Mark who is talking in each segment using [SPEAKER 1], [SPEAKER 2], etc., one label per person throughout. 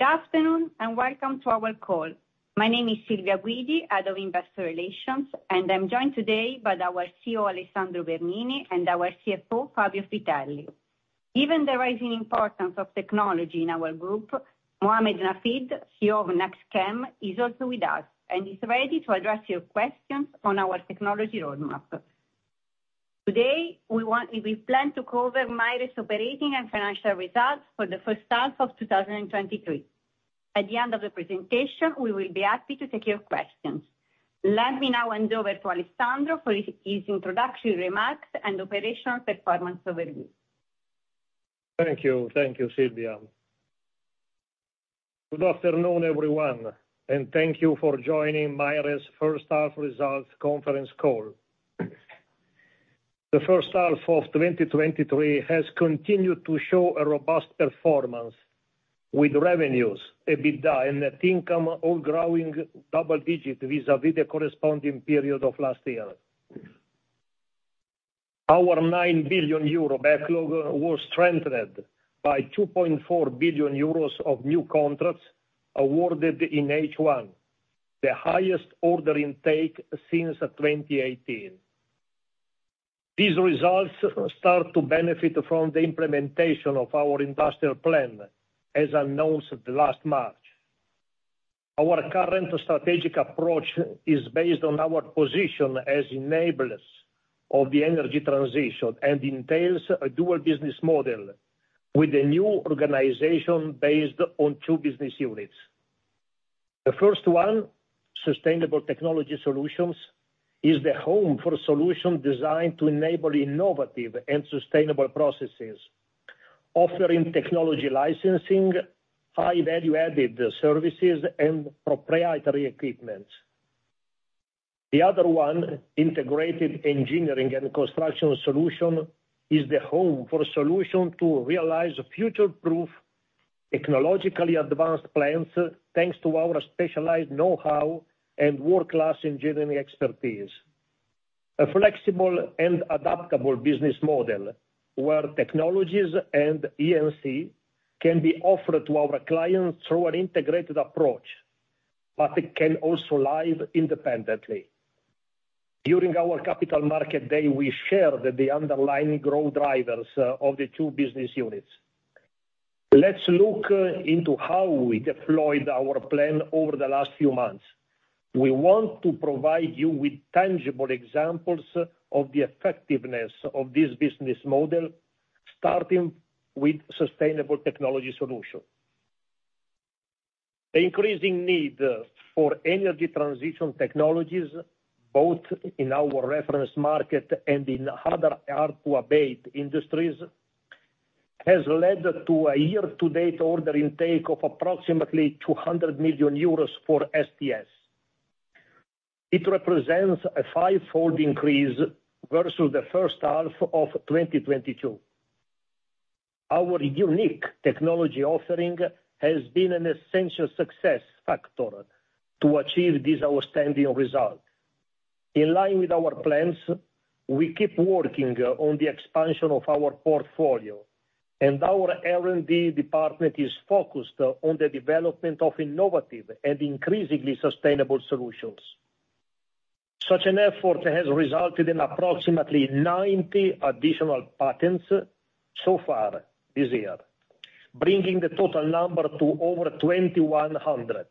[SPEAKER 1] Good afternoon, welcome to our call. My name is Silvia Guidi, Head of Investor Relations, and I'm joined today by our CEO, Alessandro Bernini, and our CFO, Fabio Fritelli. Given the rising importance of technology in our group, Mohammed Nafid, CEO of NEXTCHEM, is also with us, and is ready to address your questions on our technology roadmap. Today, we plan to cover MAIRE operating and financial results for the first half of 2023. At the end of the presentation, we will be happy to take your questions. Let me now hand over to Alessandro for his introductory remarks and operational performance overview.
[SPEAKER 2] Thank you. Thank you, Silvia. Good afternoon, everyone, and thank you for joining MAIRE's first half results conference call. The first half of 2023 has continued to show a robust performance, with revenues, EBITDA, and net income all growing double digit vis-a-vis the corresponding period of last year. Our 9 billion euro backlog was strengthened by 2.4 billion euros of new contracts awarded in H1, the highest order intake since 2018. These results start to benefit from the implementation of our industrial plan, as announced last March. Our current strategic approach is based on our position as enablers of the energy transition, and entails a dual business model with a new organization based on two business units. The first one, Sustainable Technology Solutions, is the home for solution designed to enable innovative and sustainable processes, offering technology licensing, high value-added services, and proprietary equipment. The other one, Integrated Engineering and Construction Solution, is the home for solution to realize a future-proof, technologically advanced plans, thanks to our specialized know-how and world-class engineering expertise. A flexible and adaptable business model, where technologies and E&C can be offered to our clients through an integrated approach, it can also live independently. During our capital market day, we shared the underlying growth drivers of the two business units. Let's look into how we deployed our plan over the last few months. We want to provide you with tangible examples of the effectiveness of this business model, starting with Sustainable Technology Solutions. The increasing need for energy transition technologies, both in our reference market and in other hard-to-abate industries, has led to a year-to-date order intake of approximately 200 million euros for STS. It represents a fivefold increase versus the first half of 2022. Our unique technology offering has been an essential success factor to achieve this outstanding result. In line with our plans, we keep working on the expansion of our portfolio, and our R&D department is focused on the development of innovative and increasingly sustainable solutions. Such an effort has resulted in approximately 90 additional patents so far this year, bringing the total number to over 2,100.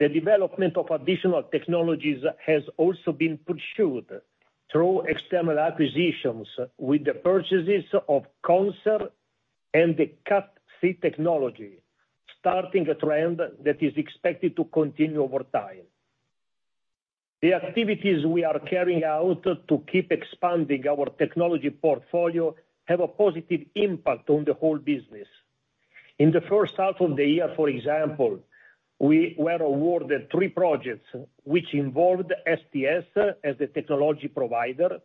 [SPEAKER 2] The development of additional technologies has also been pursued through external acquisitions, with the purchases of CONSER and the CatC technology, starting a trend that is expected to continue over time. The activities we are carrying out to keep expanding our technology portfolio have a positive impact on the whole business. In the first half of the year, for example, we were awarded three projects which involved STS as a technology provider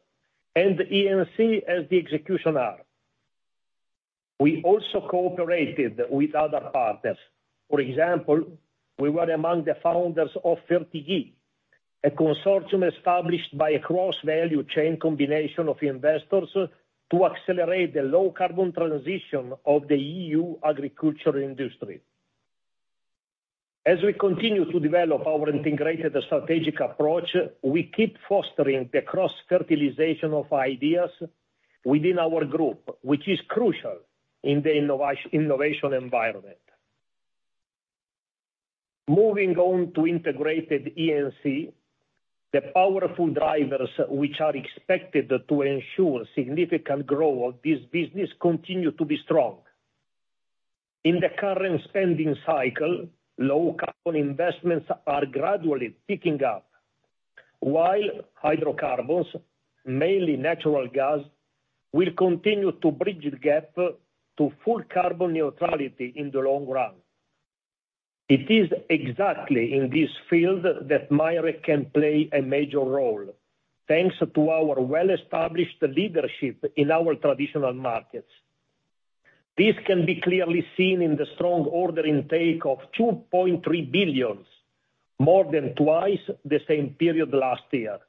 [SPEAKER 2] and E&C as the executioner. We also cooperated with other partners. For example, we were among the founders of FertiG, a consortium established by a cross-value chain combination of investors to accelerate the low carbon transition of the EU agricultural industry. As we continue to develop our integrated strategic approach, we keep fostering the cross-fertilization of ideas within our group, which is crucial in the innovation environment. Moving on to integrated E&C, the powerful drivers which are expected to ensure significant growth, this business continue to be strong. In the current spending cycle, low carbon investments are gradually picking up, while hydrocarbons, mainly natural gas, will continue to bridge the gap to full carbon neutrality in the long run. It is exactly in this field that MAIRE can play a major role, thanks to our well-established leadership in our traditional markets. This can be clearly seen in the strong order intake of 2.3 billion, more than twice the same period last year.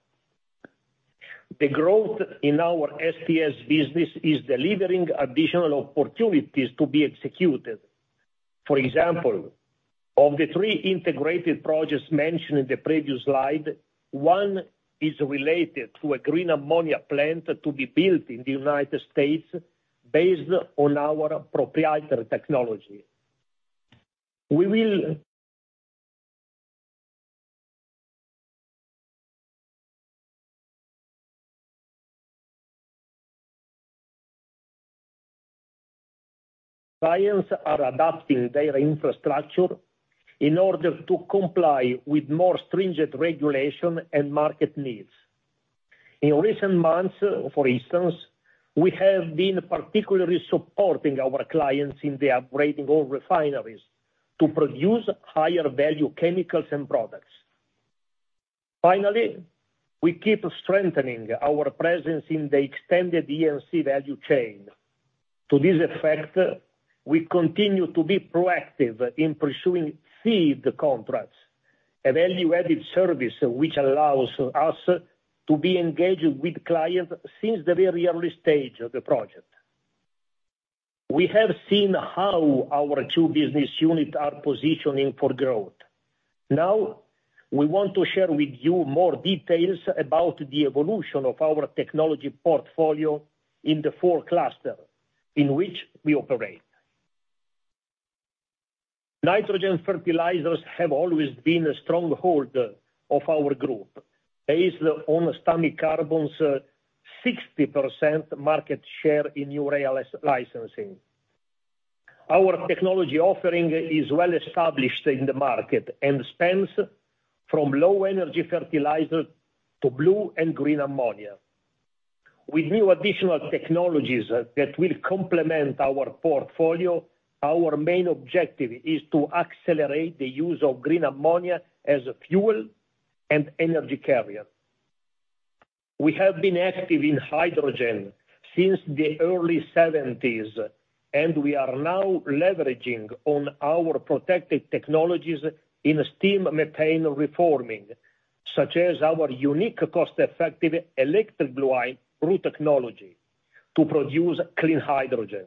[SPEAKER 2] The growth in our STS business is delivering additional opportunities to be executed. For example, of the three integrated projects mentioned in the previous slide, one is related to a green ammonia plant to be built in the United States, based on our proprietary technology. Clients are adapting their infrastructure in order to comply with more stringent regulation and market needs. In recent months, for instance, we have been particularly supporting our clients in the upgrading of refineries to produce higher value chemicals and products. Finally, we keep strengthening our presence in the extended E&C value chain. To this effect, we continue to be proactive in pursuing feed contracts, a value-added service which allows us to be engaged with clients since the very early stage of the project. We have seen how our two business units are positioning for growth. Now, we want to share with you more details about the evolution of our technology portfolio in the four cluster in which we operate. Nitrogen fertilizers have always been a stronghold of our group, based on Stamicarbon's 60% market share in urea licensing. Our technology offering is well established in the market and spans from low energy fertilizer to blue and green ammonia. With new additional technologies that will complement our portfolio, our main objective is to accelerate the use of green ammonia as a fuel and energy carrier. We have been active in hydrogen since the early '70s, and we are now leveraging on our protected technologies in steam methane reforming, such as our unique cost-effective electric blue technology to produce clean hydrogen.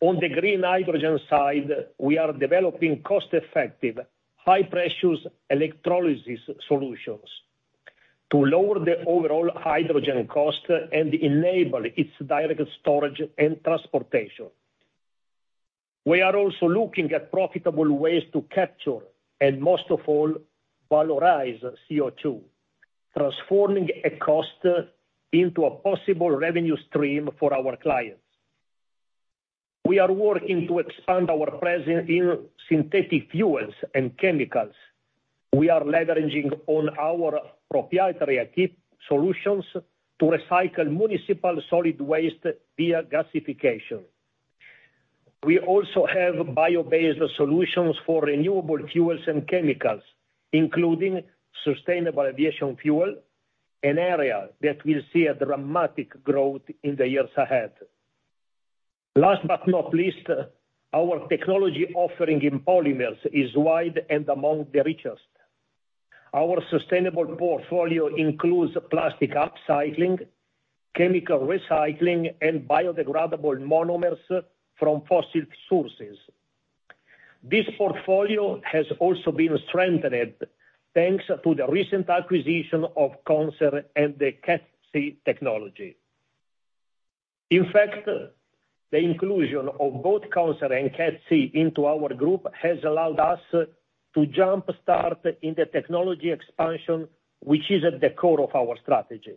[SPEAKER 2] On the green hydrogen side, we are developing cost-effective, high-pressure electrolysis solutions to lower the overall hydrogen cost and enable its direct storage and transportation. We are also looking at profitable ways to capture, and most of all, valorize CO2, transforming a cost into a possible revenue stream for our clients. We are working to expand our presence in synthetic fuels and chemicals. We are leveraging on our proprietary key solutions to recycle municipal solid waste via gasification. We also have bio-based solutions for renewable fuels and chemicals, including sustainable aviation fuel, an area that will see a dramatic growth in the years ahead. Last but not least, our technology offering in polymers is wide and among the richest. Our sustainable portfolio includes plastic upcycling, chemical recycling, and biodegradable monomers from fossil sources. This portfolio has also been strengthened, thanks to the recent acquisition of CONSER and the CatC technology. In fact, the inclusion of both CONSER and CatC into our group has allowed us to jump-start in the technology expansion, which is at the core of our strategy.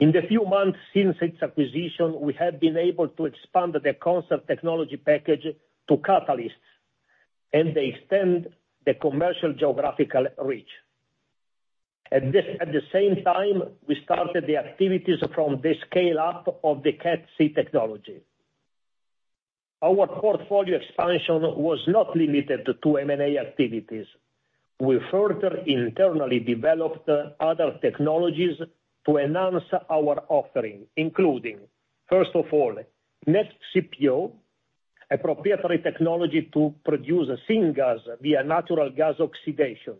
[SPEAKER 2] In the few months since its acquisition, we have been able to expand the concept technology package to Catalysts, and they extend the commercial geographical reach. At the same time, we started the activities from the scale-up of the CatC technology. Our portfolio expansion was not limited to M&A activities. We further internally developed other technologies to enhance our offering, including, first of all, NX CPO, a proprietary technology to produce a syngas via natural gas oxidation,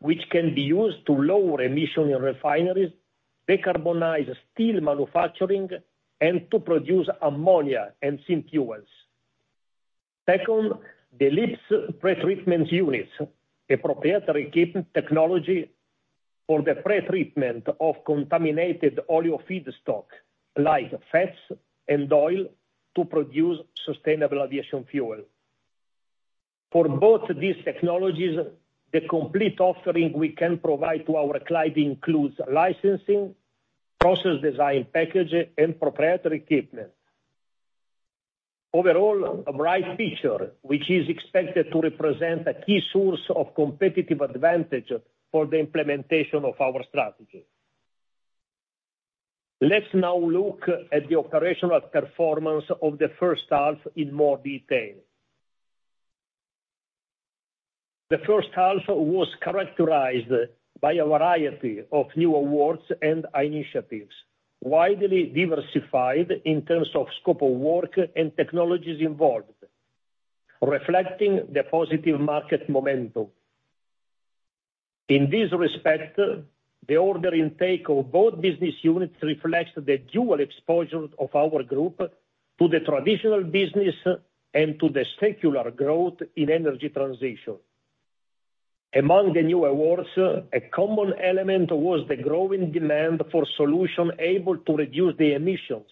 [SPEAKER 2] which can be used to lower emission in refineries, decarbonize steel manufacturing, and to produce ammonia and syn fuels. Second, the LEAPS pretreatment units, a proprietary key technology for the pretreatment of contaminated oil feedstock, like fats and oil, to produce sustainable aviation fuel. For both these technologies, the complete offering we can provide to our client includes licensing, process design package, and proprietary equipment. Overall, a bright feature, which is expected to represent a key source of competitive advantage for the implementation of our strategy. Let's now look at the operational performance of the first half in more detail. The first half was characterized by a variety of new awards and initiatives, widely diversified in terms of scope of work and technologies involved. reflecting the positive market momentum. In this respect, the order intake of both business units reflects the dual exposure of our group to the traditional business and to the secular growth in energy transition. Among the new awards, a common element was the growing demand for solutions able to reduce the emissions,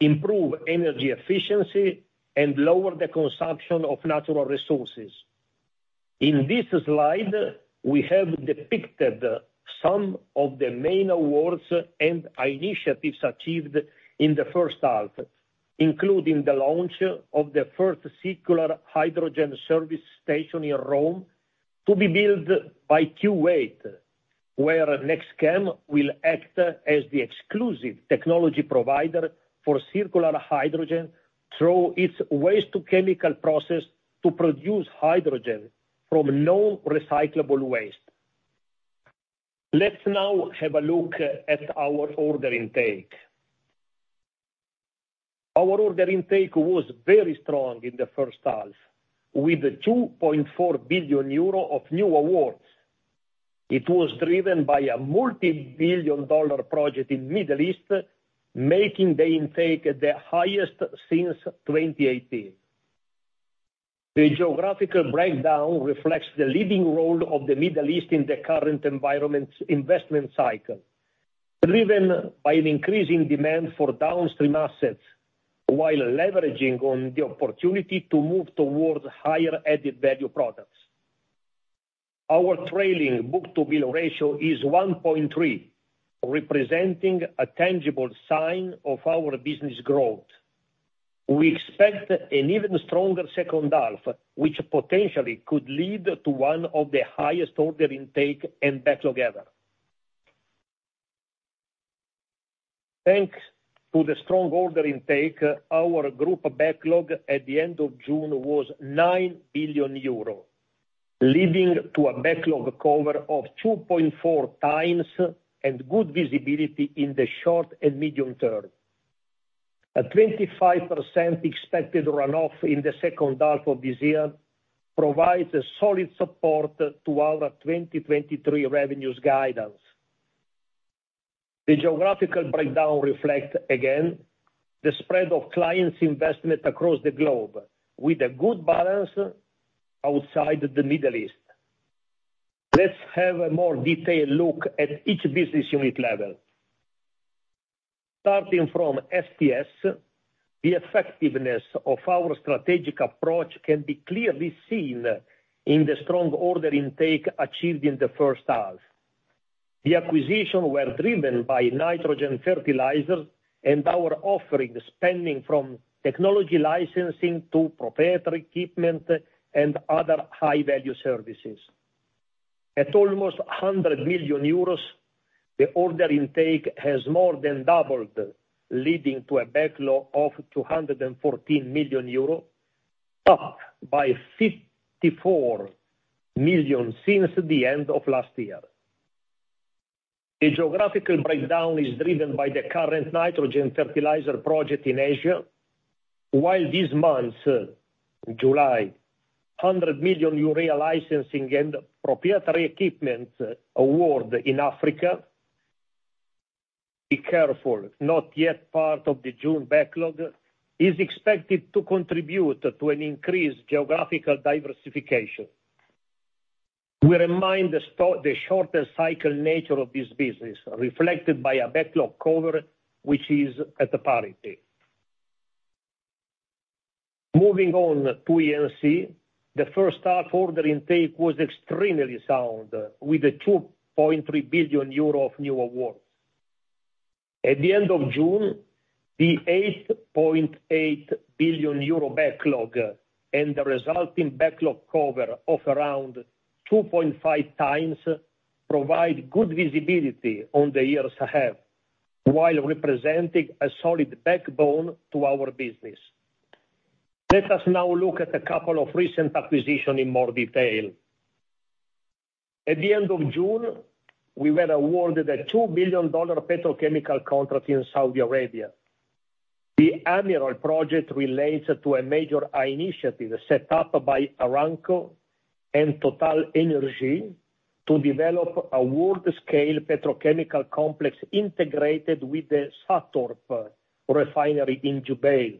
[SPEAKER 2] improve energy efficiency, and lower the consumption of natural resources. In this slide, we have depicted some of the main awards and initiatives achieved in the first half, including the launch of the first circular hydrogen service station in Rome, to be built by Q8, where NEXTCHEM will act as the exclusive technology provider for circular hydrogen through its waste-to-chemical process to produce hydrogen from non-recyclable waste. Let's now have a look at our order intake. Our order intake was very strong in the first half, with 2.4 billion euro of new awards. It was driven by a multi-billion dollar project in Middle East, making the intake the highest since 2018. The geographical breakdown reflects the leading role of the Middle East in the current environment's investment cycle, driven by an increasing demand for downstream assets, while leveraging on the opportunity to move towards higher added-value products. Our trailing book-to-bill ratio is 1.3, representing a tangible sign of our business growth. We expect an even stronger second half, which potentially could lead to one of the highest order intake and backlog ever. Thanks to the strong order intake, our group backlog at the end of June was 9 billion euro, leading to a backlog cover of 2.4x, and good visibility in the short and medium term. A 25% expected runoff in the second half of this year provides a solid support to our 2023 revenues guidance. The geographical breakdown reflect, again, the spread of clients' investment across the globe, with a good balance outside the Middle East. Let's have a more detailed look at each business unit level. Starting from STS, the effectiveness of our strategic approach can be clearly seen in the strong order intake achieved in the first half. The acquisition were driven by nitrogen fertilizers and our offering, spanning from technology licensing to proprietary equipment and other high-value services. At almost 100 million euros, the order intake has more than doubled, leading to a backlog of 214 million euros, up by 54 million since the end of last year. The geographical breakdown is driven by the current nitrogen fertilizer project in Asia, while this month, July, 100 million urea licensing and proprietary equipment award in Africa, be careful, not yet part of the June backlog, is expected to contribute to an increased geographical diversification. We remind the shorter cycle nature of this business, reflected by a backlog cover, which is at parity. Moving on to E&C, the first half order intake was extremely sound, with 2.3 billion euro of new awards. At the end of June, the 8.8 billion euro backlog and the resulting backlog cover of around 2.5x, provide good visibility on the years ahead, while representing a solid backbone to our business. Let us now look at a couple of recent acquisition in more detail. At the end of June, we were awarded a $2 billion petrochemical contract in Saudi Arabia. The Amiral project relates to a major initiative set up by Aramco and TotalEnergies to develop a world-scale petrochemical complex integrated with the SATORP Refinery in Jubail.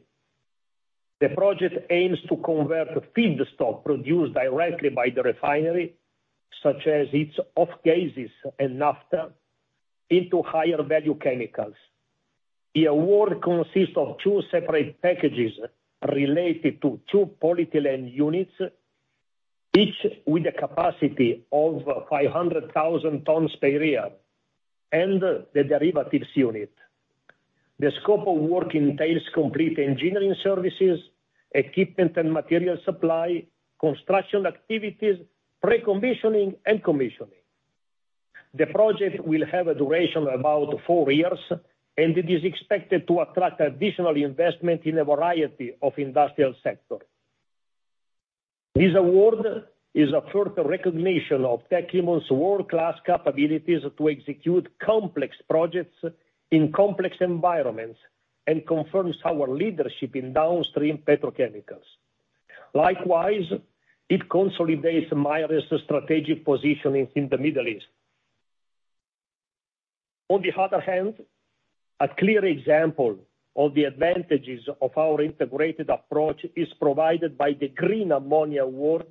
[SPEAKER 2] The project aims to convert feedstock produced directly by the refinery, such as its off gases and naphtha, into higher value chemicals. The award consists of two separate packages related to two polyethylene units, each with a capacity of 500,000 tons per year, and the derivatives unit. The scope of work entails complete engineering services, equipment and material supply, construction activities, pre-commissioning and commissioning. The project will have a duration about four years. It is expected to attract additional investment in a variety of industrial sector. This award is a further recognition of TECNIMONT's world-class capabilities to execute complex projects in complex environments, confirms our leadership in downstream petrochemicals. Likewise, it consolidates MAIRE's recent strategic positioning in the Middle East. On the other hand, a clear example of the advantages of our integrated approach is provided by the green ammonia award,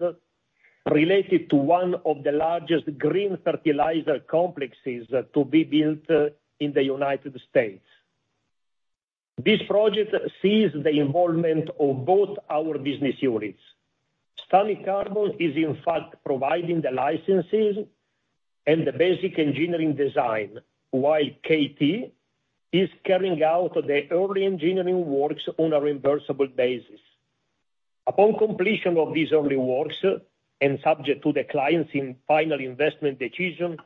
[SPEAKER 2] related to one of the largest green fertilizer complexes to be built in the United States. This project sees the involvement of both our business units. Stamicarbon is, in fact, providing the licenses and the basic engineering design, while KT is carrying out the early engineering works on a reimbursable basis. Upon completion of these early works, subject to the client's final investment decision,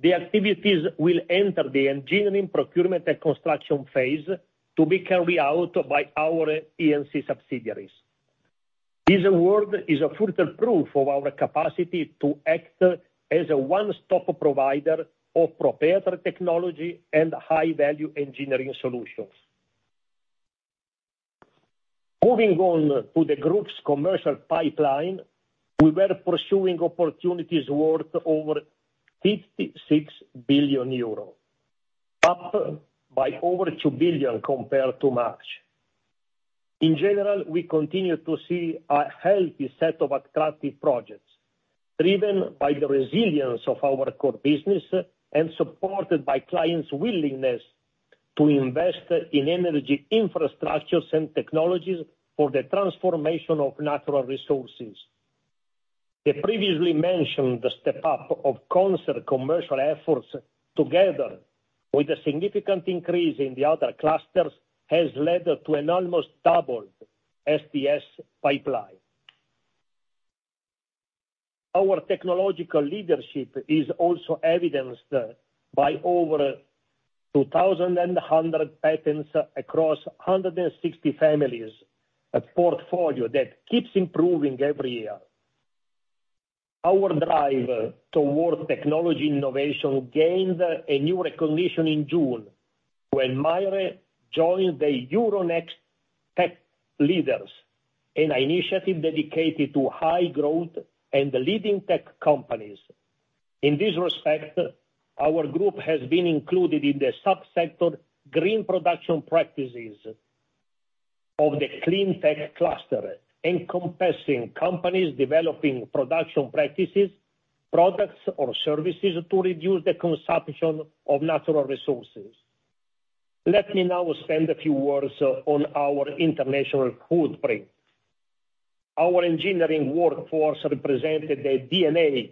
[SPEAKER 2] the activities will enter the engineering procurement and construction phase to be carried out by our E&C subsidiaries. This award is a further proof of our capacity to act as a one-stop provider of proprietary technology and high value engineering solutions. Moving on to the group's commercial pipeline, we were pursuing opportunities worth over 56 billion euros, up by over 2 billion compared to March. We continue to see a healthy set of attractive projects, driven by the resilience of our core business and supported by clients' willingness to invest in energy infrastructures and technologies for the transformation of natural resources. The previously mentioned, the step up of CONSER commercial efforts, together with a significant increase in the other clusters, has led to an almost doubled STS pipeline. Our technological leadership is also evidenced by over 2,100 patents across 160 families, a portfolio that keeps improving every year. Our drive towards technology innovation gained a new recognition in June, when MAIRE joined the Euronext Tech Leaders, an initiative dedicated to high growth and the leading tech companies. In this respect, our group has been included in the subsector green production practices of the clean tech cluster, encompassing companies developing production practices, products or services to reduce the consumption of natural resources. Let me now spend a few words on our international footprint. Our engineering workforce represented the DNA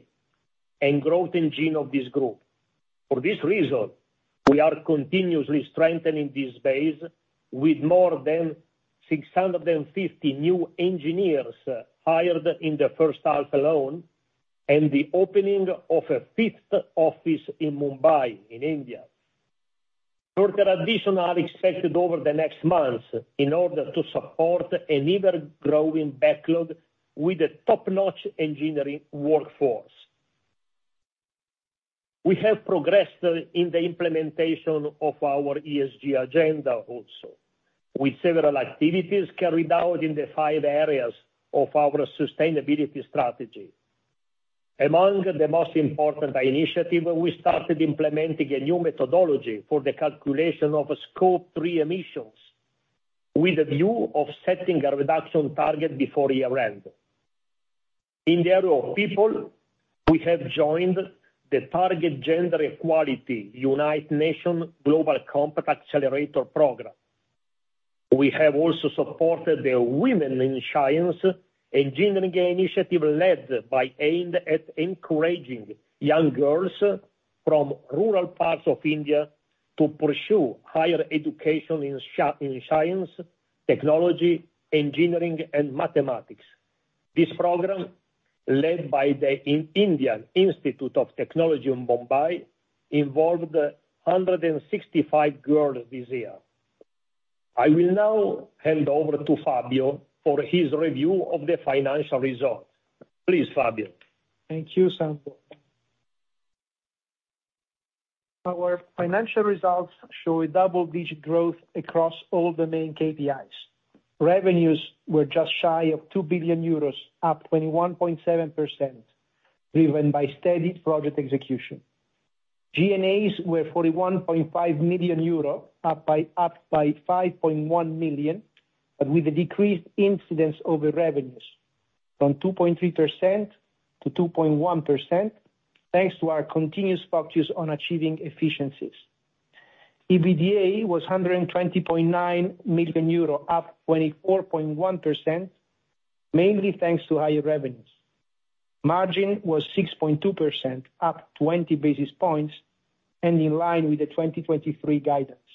[SPEAKER 2] and growth engine of this group. For this reason, we are continuously strengthening this base with more than 650 new engineers hired in the first half alone, and the opening of a fifth office in Mumbai, India. Further addition are expected over the next months in order to support an ever growing backlog with a top-notch engineering workforce. We have progressed in the implementation of our ESG agenda also, with several activities carried out in the five areas of our sustainability strategy. Among the most important initiative, we started implementing a new methodology for the calculation of Scope 3 emissions, with a view of setting a reduction target before year end. In the area of people, we have joined the Target Gender Equality, United Nations Global Compact accelerator program. We have also supported the Women in Science and Engineering initiative, aimed at encouraging young girls from rural parts of India to pursue higher education in science, technology, engineering, and mathematics. This program, led by the Indian Institute of Technology Bombay, involved 165 girls this year. I will now hand over to Fabio for his review of the financial results. Please, Fabio.
[SPEAKER 3] Thank you, Sandro. Our financial results show a double-digit growth across all the main KPIs. Revenues were just shy of 2 billion euros, up 21.7%, driven by steady project execution. G&As were 41.5 million euro, up by 5.1 million, but with a decreased incidence over revenues from 2.3% to 2.1%, thanks to our continuous focus on achieving efficiencies. EBITDA was EUR 120.9 million, up 24.1%, mainly thanks to higher revenues. Margin was 6.2%, up 20 basis points, in line with the 2023 guidance.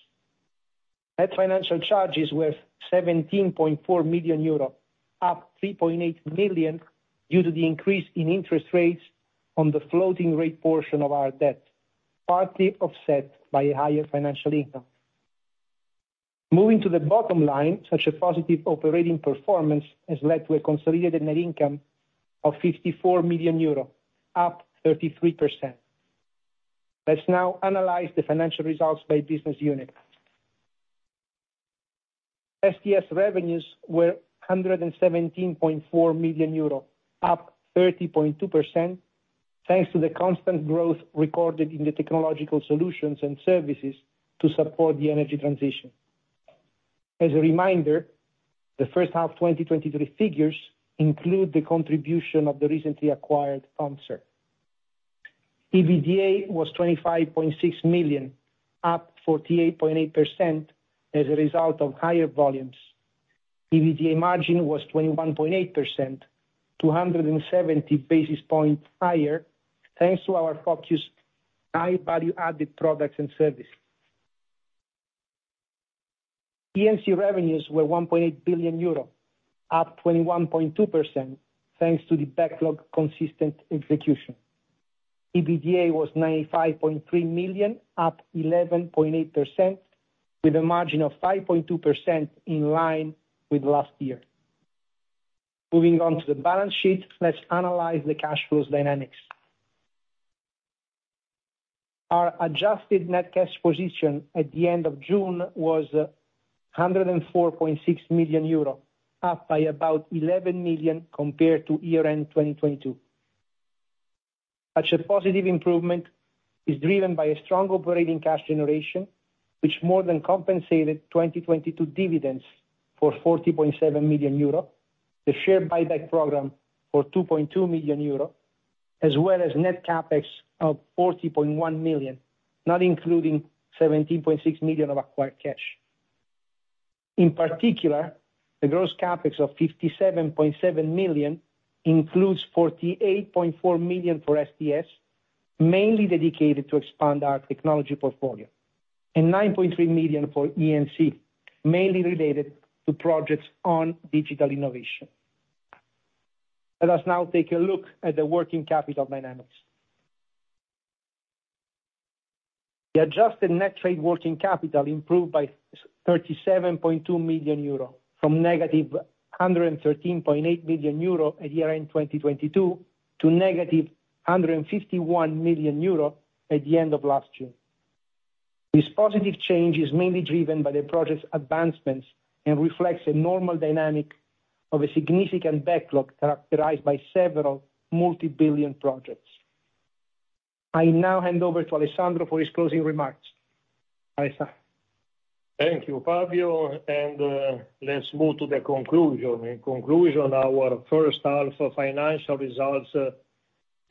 [SPEAKER 3] Net financial charges were 17.4 million euro, up 3.8 million, due to the increase in interest rates on the floating rate portion of our debt, partly offset by higher financial income. Moving to the bottom line, such a positive operating performance has led to a consolidated net income of 54 million euro, up 33%. Let's now analyze the financial results by business unit. STS revenues were 117.4 million euro, up 30.2%, thanks to the constant growth recorded in the technological solutions and services to support the energy transition. As a reminder, the first half 2023 figures include the contribution of the recently acquired. EBITDA was 25.6 million, up 48.8% as a result of higher volumes. EBITDA margin was 21.8%, 270 basis points higher, thanks to our focused high value added products and services. E&C revenues were 1.8 billion euro, up 21.2%, thanks to the backlog consistent execution. EBITDA was 95.3 million, up 11.8%, with a margin of 5.2% in line with last year. Moving on to the balance sheet, let's analyze the cash flows dynamics. Our adjusted net cash position at the end of June was 104.6 million euro, up by about 11 million compared to year-end 2022. Such a positive improvement is driven by a strong operating cash generation, which more than compensated 2022 dividends for 40.7 million euro, the share buyback program for 2.2 million euro, as well as net CapEx of 40.1 million, not including 17.6 million of acquired cash. In particular, the gross CapEx of 57.7 million includes 48.4 million for STS, mainly dedicated to expand our technology portfolio, and 9.3 million for E&C, mainly related to projects on digital innovation. Let us now take a look at the working capital dynamics. The adjusted net trade working capital improved by 37.2 million euro, from negative 113.8 million euro at year-end 2022, to negative 151 million euro at the end of last June. This positive change is mainly driven by the project's advancements, and reflects a normal dynamic of a significant backlog characterized by several multi-billion projects. I now hand over to Alessandro for his closing remarks. Alessandro?
[SPEAKER 2] Thank you, Fabio, and let's move to the conclusion. In conclusion, our first half of financial results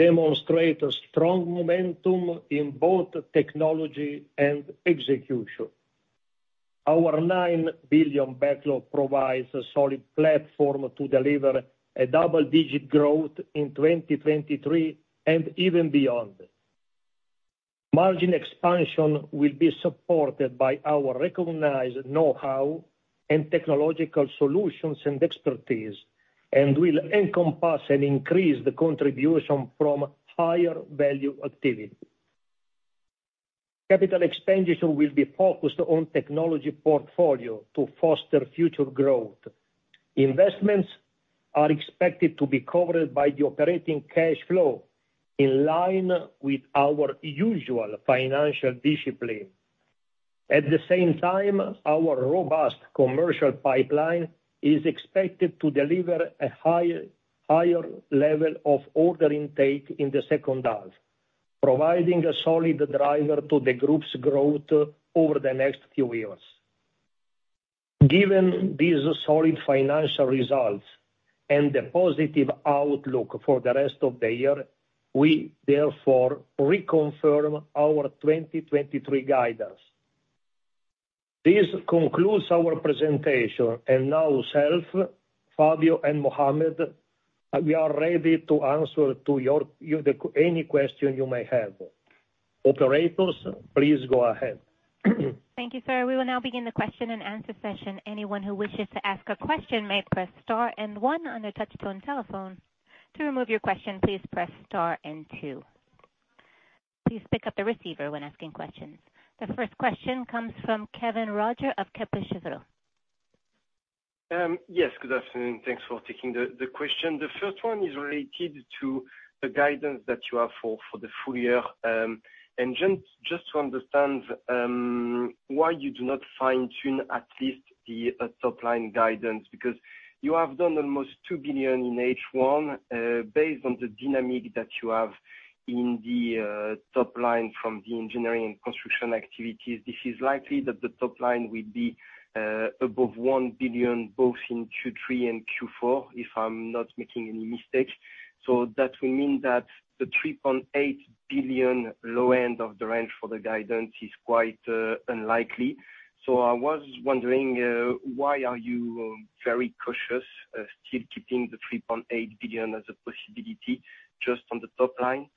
[SPEAKER 2] demonstrate a strong momentum in both technology and execution. Our $9 billion backlog provides a solid platform to deliver a double-digit growth in 2023, and even beyond. Margin expansion will be supported by our recognized know-how and technological solutions and expertise, and will encompass and increase the contribution from higher value activity. Capital expenditure will be focused on technology portfolio to foster future growth. Investments are expected to be covered by the operating cash flow, in line with our usual financial discipline. At the same time, our robust commercial pipeline is expected to deliver a higher level of order intake in the second half, providing a solid driver to the group's growth over the next few years. Given these solid financial results and the positive outlook for the rest of the year, we therefore reconfirm our 2023 guidance. This concludes our presentation. Now myself, Fabio, and Mohammed, we are ready to answer to any question you may have. Operators, please go ahead.
[SPEAKER 4] Thank you, sir. We will now begin the question and answer session. Anyone who wishes to ask a question may press star and one on their touchtone telephone. To remove your question, please press star and two. Please pick up the receiver when asking questions. The first question comes from Kevin Roger of Kepler Cheuvreux.
[SPEAKER 5] Yes, good afternoon, thanks for taking the question. The first one is related to the guidance that you have for the full year. Just to understand why you do not fine-tune at least the top line guidance, because you have done almost 2 billion in H1. Based on the dynamic that you have in the top line from the engineering and construction activities, this is likely that the top line will be above 1 billion, both in Q3 and Q4, if I'm not making any mistakes. That will mean that the 3.8 billion low end of the range for the guidance is quite unlikely. I was wondering why are you very cautious, still keeping the 3.8 billion as a possibility just on the top line?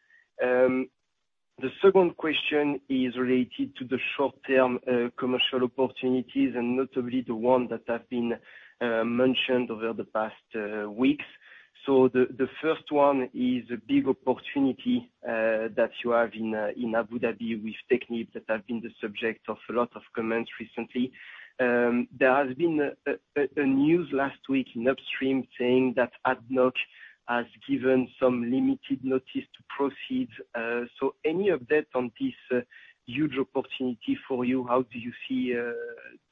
[SPEAKER 5] The second question is related to the short-term commercial opportunities, and notably the ones that have been mentioned over the past weeks. The first one is a big opportunity that you have in Abu Dhabi with TECNIMONT that have been the subject of a lot of comments recently. There has been a news last week in Upstream saying that ADNOC has given some limited notice to proceed. Any update on this huge opportunity for you? How do you see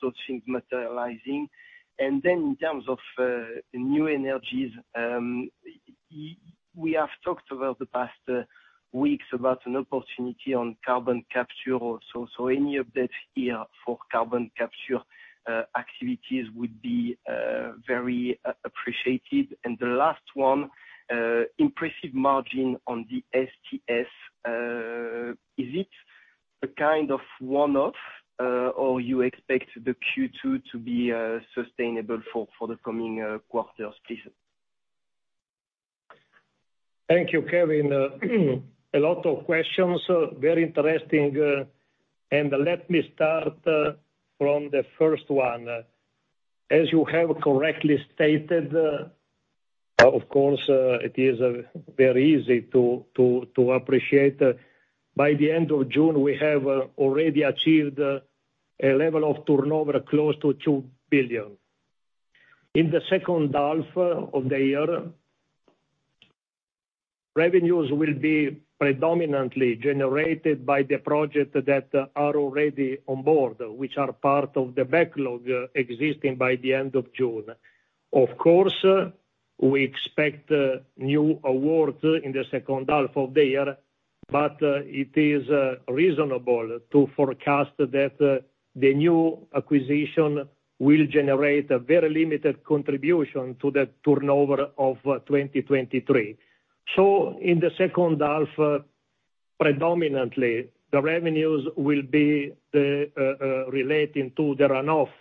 [SPEAKER 5] those things materializing? In terms of new energies, we have talked about the past weeks about an opportunity on carbon capture also. Any update here for carbon capture activities would be very appreciated. The last one, impressive margin on the STS, is it a kind of one-off, or you expect the Q2 to be sustainable for the coming quarters, please?
[SPEAKER 2] Thank you, Kevin. A lot of questions, very interesting, and let me start from the first one. As you have correctly stated, of course, it is very easy to appreciate. By the end of June, we have already achieved a level of turnover close to 2 billion. In the second half of the year, revenues will be predominantly generated by the project that are already on board, which are part of the backlog existing by the end of June. Of course, we expect new awards in the second half of the year, but it is reasonable to forecast that the new acquisition will generate a very limited contribution to the turnover of 2023. In the second half, predominantly, the revenues will be relating to the runoff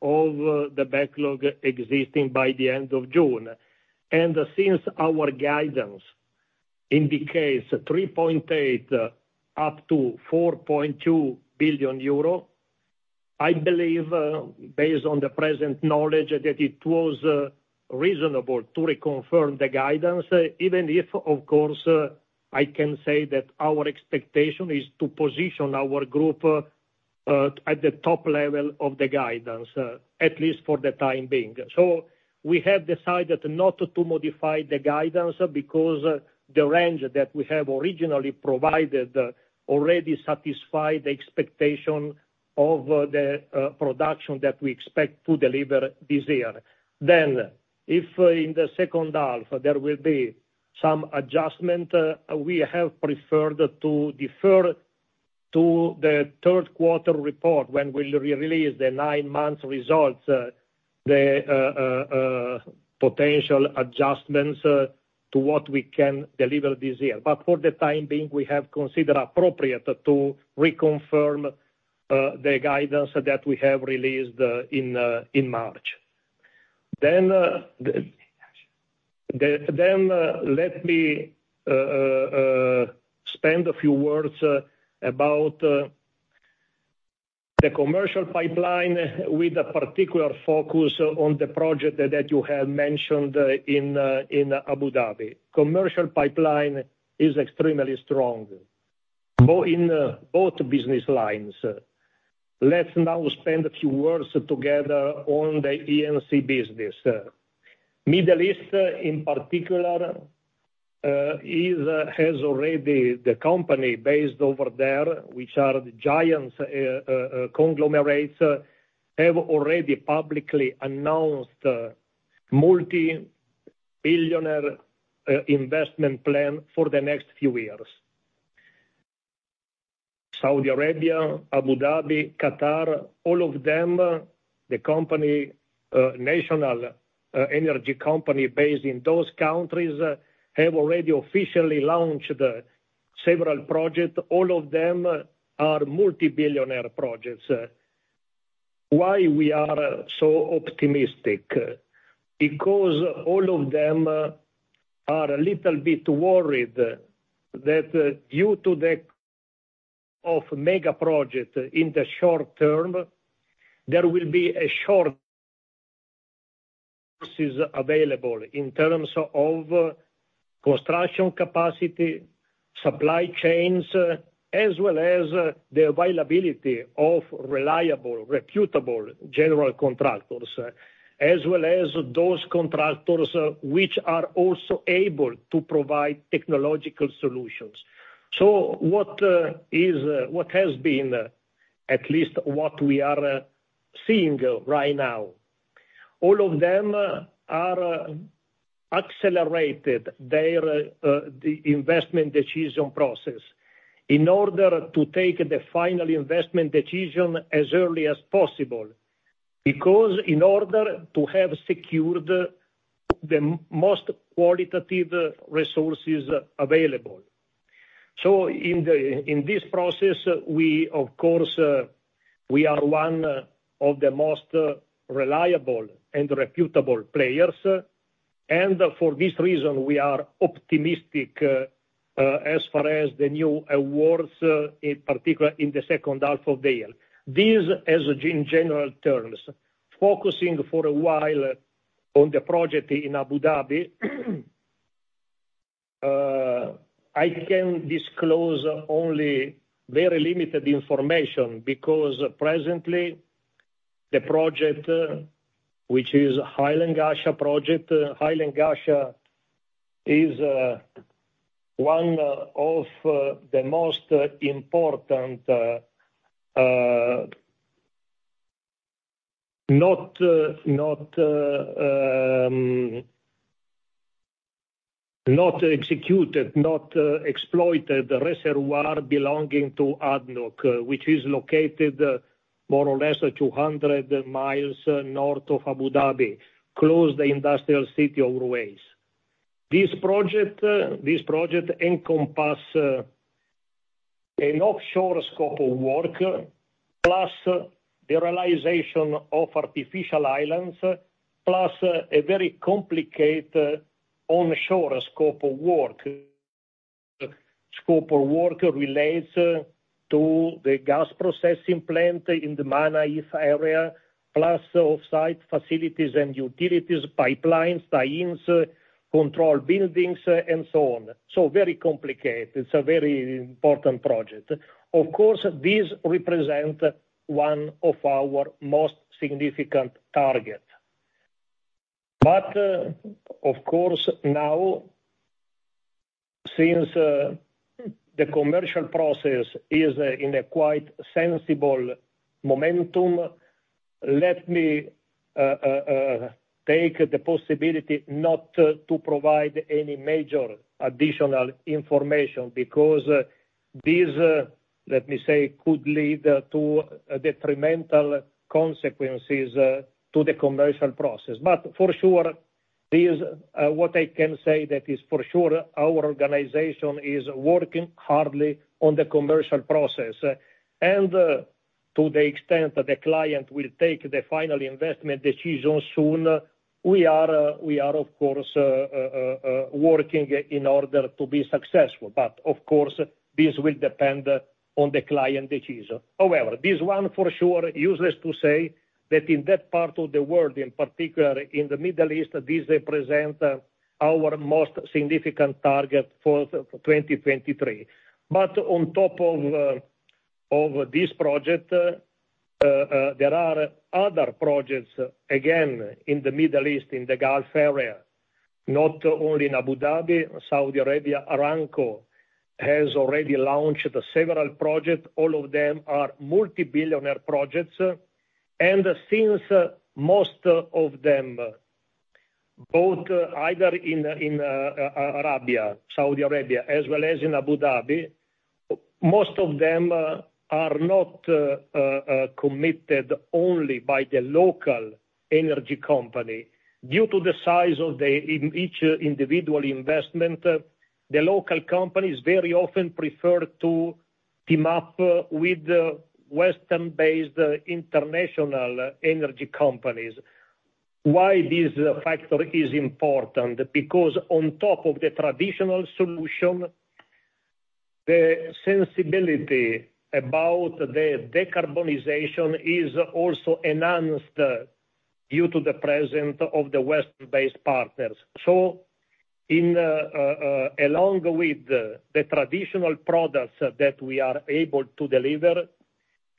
[SPEAKER 2] of the backlog existing by the end of June. Since our guidance indicates 3.8 billion-4.2 billion euro, I believe, based on the present knowledge, that it was reasonable to reconfirm the guidance, even if, of course, I can say that our expectation is to position our group at the top level of the guidance, at least for the time being. We have decided not to modify the guidance because the range that we have originally provided already satisfied the expectation of the production that we expect to deliver this year. If in the second half, there will be some adjustment, we have preferred to defer to the third quarter report, when we release the nine-month results, the potential adjustments to what we can deliver this year. For the time being, we have considered appropriate to reconfirm the guidance that we have released in March. Let me spend a few words about the commercial pipeline with a particular focus on the project that you have mentioned in Abu Dhabi. Commercial pipeline is extremely strong in both business lines. Let's now spend a few words together on the E&C business. Middle East, in particular, has already the company based over there, which are the giants, conglomerates, have already publicly announced multi-billionaire investment plan for the next few years. Saudi Arabia, Abu Dhabi, Qatar, all of them, the company, national, energy company based in those countries, have already officially launched several projects. All of them are multi-billionaire projects. Why we are so optimistic? Because all of them are a little bit worried that, due to the of mega projects in the short term, there will be resources available in terms of construction capacity, supply chains, as well as the availability of reliable, reputable general contractors, as well as those contractors, which are also able to provide technological solutions. What is what has been, at least what we are seeing right now. All of them are accelerated their the investment decision process, in order to take the final investment decision as early as possible, because in order to have secured the most qualitative resources available. In this process, we of course, we are one of the most reliable and reputable players, and for this reason, we are optimistic as far as the new awards, in particular, in the second half of the year. This as, in general terms, focusing for a while on the project in Abu Dhabi, I can disclose only very limited information, because presently, the project, which is Hail and Ghasha project, Hail and Ghasha is one of the most important not not not executed, not exploited reservoir belonging to ADNOC, which is located more or less 200 miles north of Abu Dhabi, close the industrial city of Ruwais. This project encompass an offshore scope of work, plus the realization of artificial islands, plus a very complicated onshore scope of work. Scope of work relates to the gas processing plant in the Manayif area, plus offsite facilities and utilities, pipelines, tie-ins, control buildings, and so on. Very complicated. It's a very important project. Of course, this represent one of our most significant target. Of course, now, since, the commercial process is in a quite sensible momentum, let me take the possibility not to provide any major additional information, because these, let me say, could lead to detrimental consequences to the commercial process. For sure, this, what I can say that is for sure, our organization is working hardly on the commercial process. To the extent that the client will take the final investment decision soon, we are, of course, working in order to be successful. Of course, this will depend on the client decision. This one for sure, useless to say, that in that part of the world, in particular, in the Middle East, this represent our most significant target for 2023. On top of this project, there are other projects, again, in the Middle East, in the Gulf area, not only in Abu Dhabi. Saudi Arabia, Aramco, has already launched several projects. All of them are multi-billionaire projects. Since most of them, both either in Arabia, Saudi Arabia, as well as in Abu Dhabi, most of them are not committed only by the local energy company. Due to the size of each individual investment, the local companies very often prefer to team up with the Western-based international energy companies. Why this factor is important? On top of the traditional solution, the sensibility about the decarbonization is also enhanced due to the presence of the West-based partners. In along with the traditional products that we are able to deliver,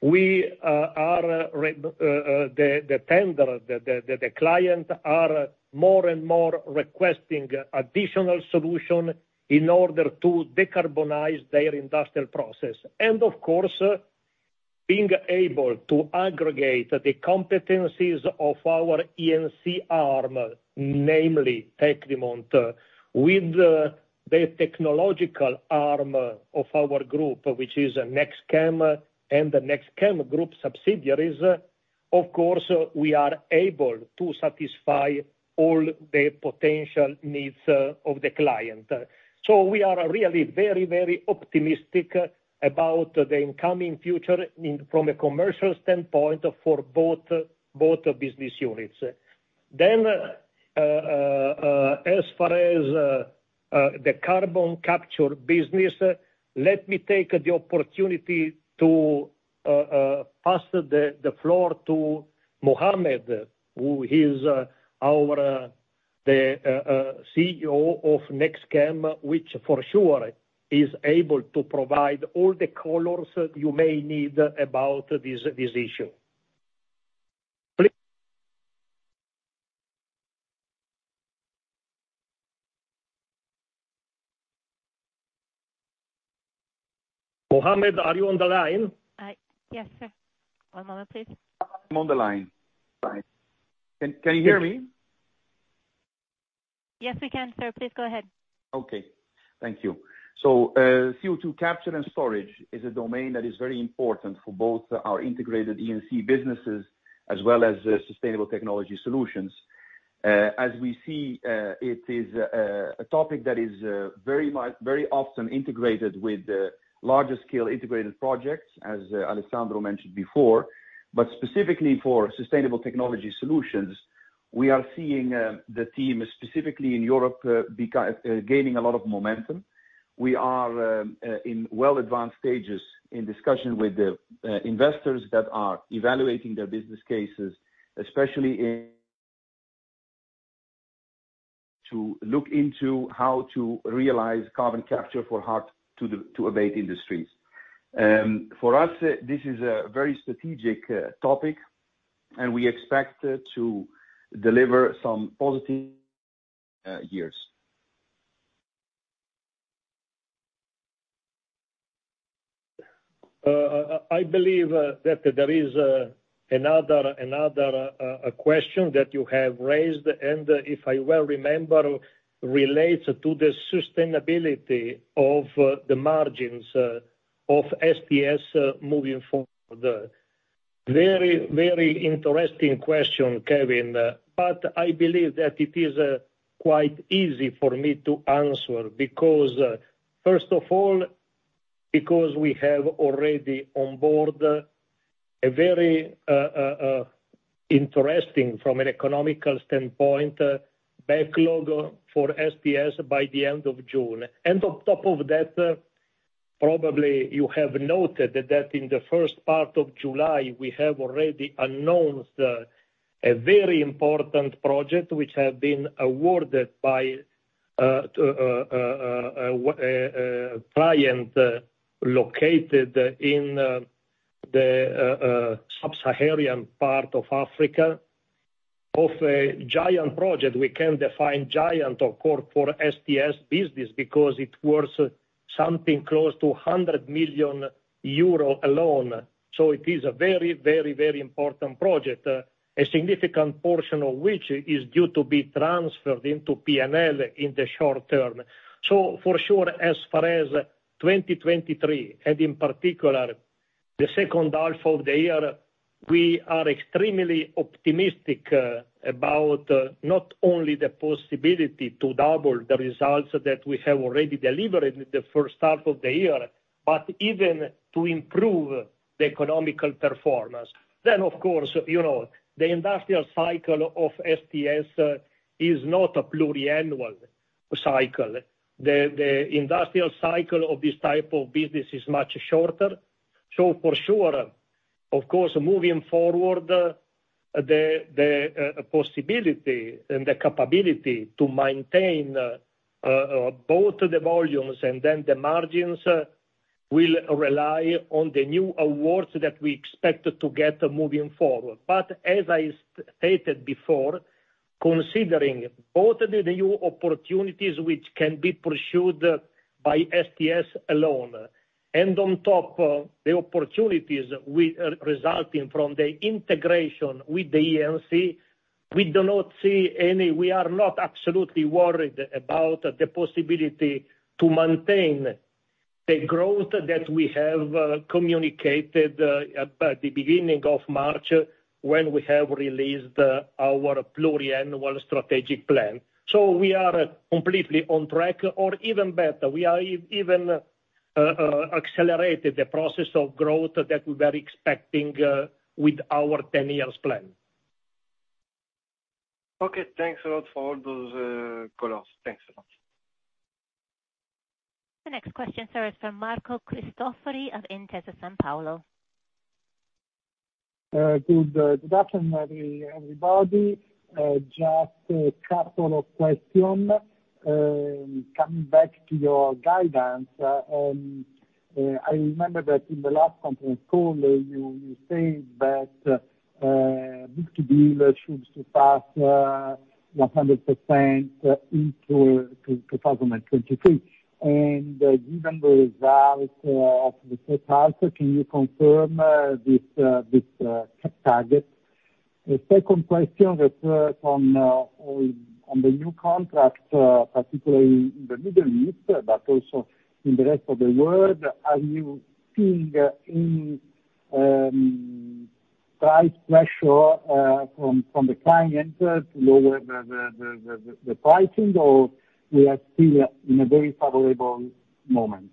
[SPEAKER 2] we are the client are more and more requesting additional solution in order to decarbonize their industrial process. Of course, being able to aggregate the competencies of our E&C arm, namely TECNIMONT, with the technological arm of our group, which is NEXTCHEM and the NEXTCHEM group subsidiaries, of course, we are able to satisfy all the potential needs of the client. We are really very, very optimistic about the incoming future in, from a commercial standpoint, for both business units. As far as the carbon capture business, let me take the opportunity to pass the floor to Mohammed, who is our CEO of NEXTCHEM, which for sure is able to provide all the colors you may need about this issue. Please. Mohammed, are you on the line?
[SPEAKER 4] Yes, sir. One moment, please.
[SPEAKER 6] I'm on the line. Fine. Can you hear me?
[SPEAKER 4] Yes, we can, sir. Please go ahead.
[SPEAKER 6] Okay. Thank you. CO2 capture and storage is a domain that is very important for both our integrated E&C businesses, as well as Sustainable Technology Solutions. As we see, it is a topic that is very much, very often integrated with the larger scale integrated projects, as Alessandro mentioned before, but specifically for Sustainable Technology Solutions. We are seeing the team specifically in Europe, gaining a lot of momentum. We are in well advanced stages in discussion with the investors that are evaluating their business cases, especially to look into how to realize carbon capture for hard-to-abate industries. For us, this is a very strategic topic, and we expect to deliver some positive years.
[SPEAKER 2] I believe that there is another question that you have raised, and if I well remember, relates to the sustainability of the margins of STS moving forward. Very, very interesting question, Kevin, but I believe that it is quite easy for me to answer, because, first of all, we have already on board a very interesting from an economical standpoint, backlog for STS by the end of June. On top of that, probably you have noted that in the first part of July, we have already announced a very important project, which have been awarded by a client located in the sub-Saharan part of Africa, of a giant project. We can define giant, of course, for STS business, because it worth something close to 100 million euro alone. It is a very, very, very important project, a significant portion of which is due to be transferred into P&L in the short term. For sure, as far as 2023, and in particular, the second half of the year, we are extremely optimistic about not only the possibility to double the results that we have already delivered in the first half of the year, but even to improve the economical performance. Of course, you know, the industrial cycle of STS is not a pluriannual cycle. The industrial cycle of this type of business is much shorter. For sure, of course, moving forward, the possibility and the capability to maintain both the volumes and then the margins will rely on the new awards that we expect to get moving forward. But as I stated before, considering both the new opportunities which can be pursued by STS alone, and on top of the opportunities resulting from the integration with the E&C, we are not absolutely worried about the possibility to maintain the growth that we have communicated at the beginning of March, when we have released our pluriannual strategic plan. We are completely on track, or even better, we are even accelerated the process of growth that we were expecting with our 10 years plan.
[SPEAKER 5] Okay, thanks a lot for all those, colors. Thanks a lot.
[SPEAKER 4] The next question is from Marco Cristofori of Intesa Sanpaolo.
[SPEAKER 7] Good afternoon, everybody. Just a couple of question. Coming back to your guidance, I remember that in the last conference call, you said that book to bill should surpass 100% into 2023. Given the results of the first half, can you confirm this target? The second question refers on the new contract, particularly in the Middle East, but also in the rest of the world, are you seeing any price pressure from the clients to lower the pricing, or we are still in a very favorable moment?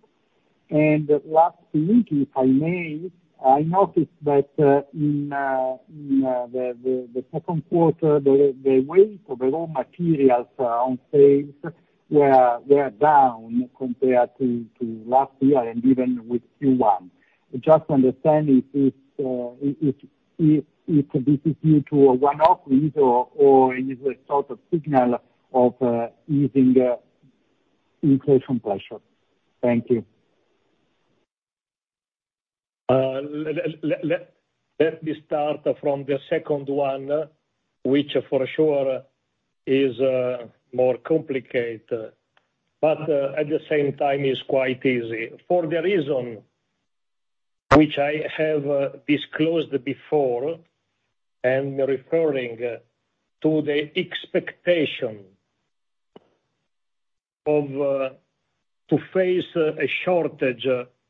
[SPEAKER 7] Last thing, if I may, I noticed that in the 2Q, the weight of the raw materials on sales were down compared to last year and even with Q1. Just understand if this is due to a one-off reason or, and is a sort of signal of easing inflation pressure. Thank you.
[SPEAKER 2] Let me start from the second one, which for sure is more complicated, but at the same time is quite easy. For the reason which I have disclosed before, and referring to the expectation of to face a shortage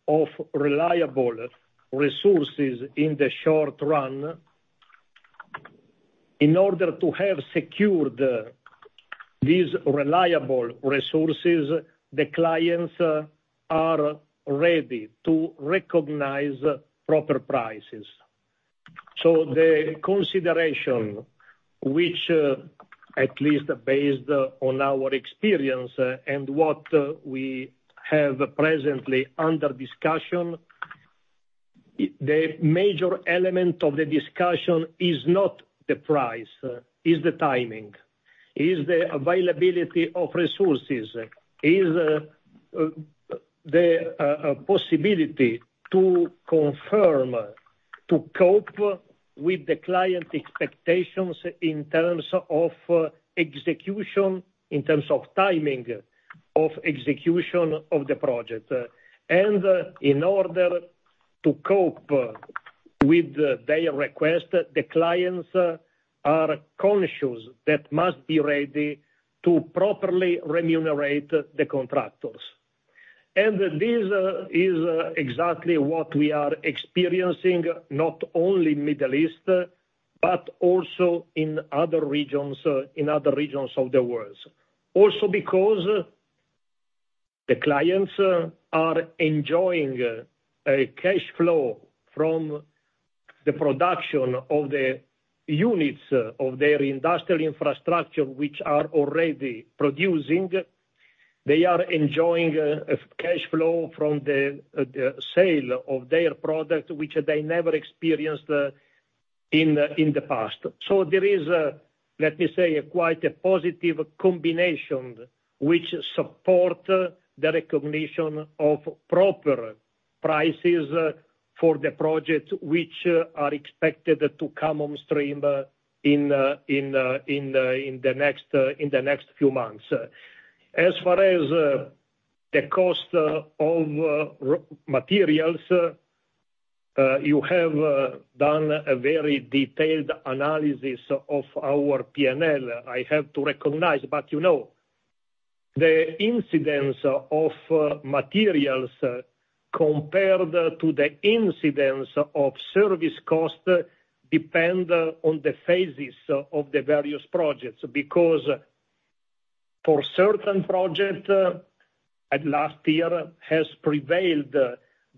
[SPEAKER 2] of reliable resources in the short run, in order to have secured these reliable resources, the clients are ready to recognize proper prices. The consideration, which at least based on our experience and what we have presently under discussion, the major element of the discussion is not the price, is the timing, is the availability of resources, is the possibility to confirm, to cope with the client expectations in terms of execution, in terms of timing of execution of the project. In order to cope with their request, the clients are conscious that must be ready to properly remunerate the contractors. This is exactly what we are experiencing, not only Middle East, but also in other regions of the world. Also, because the clients are enjoying a cash flow from the production of the units of their industrial infrastructure, which are already producing. They are enjoying a cash flow from the sale of their product, which they never experienced in the past. There is a, let me say, quite a positive combination which support the recognition of proper prices for the projects which are expected to come on stream in the next few months. As far as the cost of raw materials, you have done a very detailed analysis of our PNL, I have to recognize. You know, the incidence of materials compared to the incidence of service costs, depend on the phases of the various projects. For certain projects, at last year, has prevailed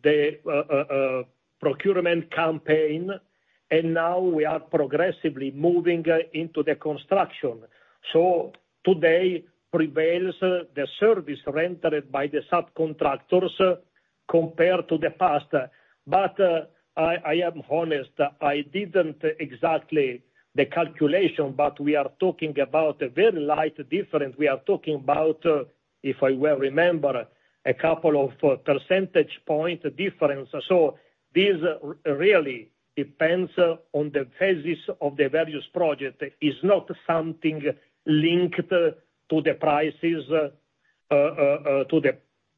[SPEAKER 2] the procurement campaign, and now we are progressively moving into the construction. Today prevails the service rendered by the subcontractors compared to the past. I am honest, I didn't exactly the calculation, but we are talking about a very light difference. We are talking about, if I well remember, a couple of percentage point difference. This really depends on the phases of the various project. It's not something linked to the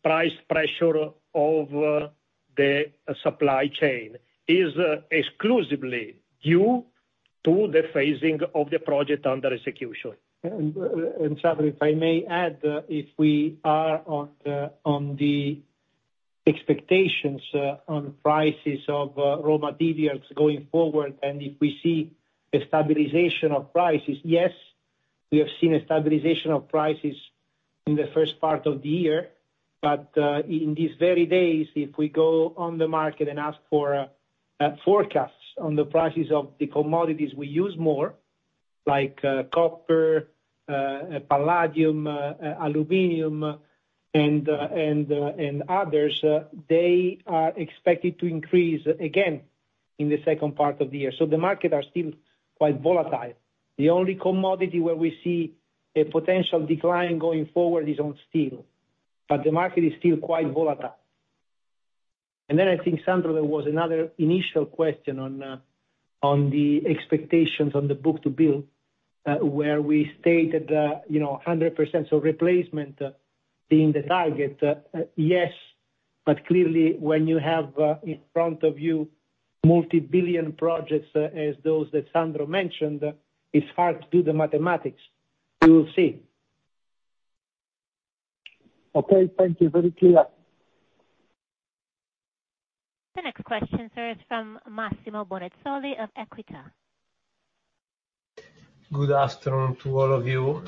[SPEAKER 2] price pressure of the supply chain. Is exclusively due to the phasing of the project under execution.
[SPEAKER 3] Sandro, if I may add, if we are on the, on the expectations, on prices of raw materials going forward, and if we see a stabilization of prices, yes, we have seen a stabilization of prices in the first part of the year, but in these very days, if we go on the market and ask for forecasts on the prices of the commodities we use more, like copper, palladium, aluminum, and others, they are expected to increase again in the second part of the year. The market are still quite volatile. The only commodity where we see a potential decline going forward is on steel, but the market is still quite volatile. I think, Sandro, there was another initial question on on the expectations on the book-to-bill where we stated, you know, 100% of replacement being the target. Yes, clearly when you have in front of you multi-billion projects as those that Sandro mentioned, it's hard to do the mathematics. We will see.
[SPEAKER 7] Okay, thank you. Very clear.
[SPEAKER 4] The next questioner is from Massimo Bonazzoli of Equita.
[SPEAKER 8] Good afternoon to all of you.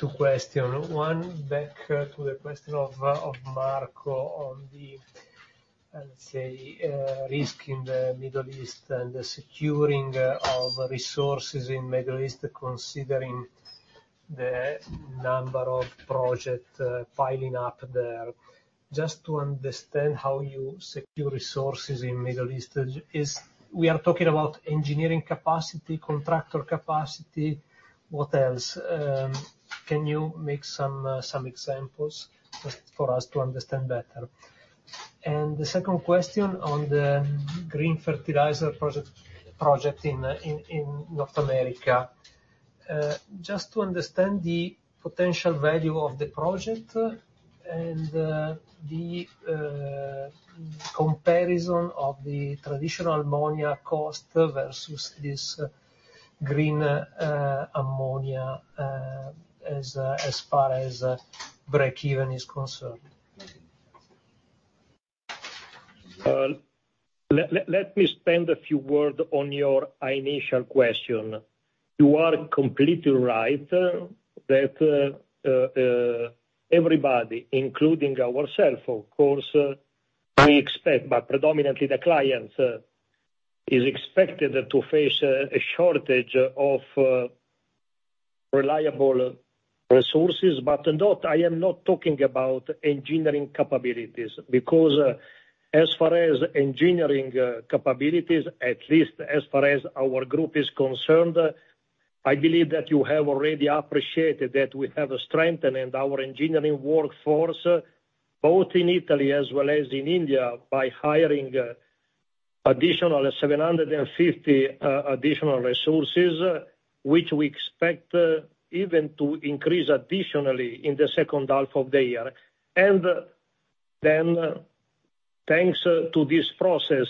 [SPEAKER 8] Two question. One, back to the question of Marco on the, let's say, risk in the Middle East and the securing of resources in Middle East, considering the number of project piling up there. Just to understand, how you secure resources in Middle East? We are talking about engineering capacity, contractor capacity, what else? Can you make some examples for us to understand better? The second question on the green fertilizer project in North America. Just to understand the potential value of the project, and the comparison of the traditional ammonia cost versus this green ammonia, as far as, breakeven is concerned....
[SPEAKER 2] Let me spend a few words on your initial question. You are completely right that everybody, including ourselves, of course, we expect, but predominantly the clients, is expected to face a shortage of reliable resources, but not, I am not talking about engineering capabilities, because as far as engineering capabilities, at least as far as our group is concerned, I believe that you have already appreciated that we have strengthened our engineering workforce, both in Italy as well as in India, by hiring additional 750 additional resources, which we expect even to increase additionally in the second half of the year. Thanks to this process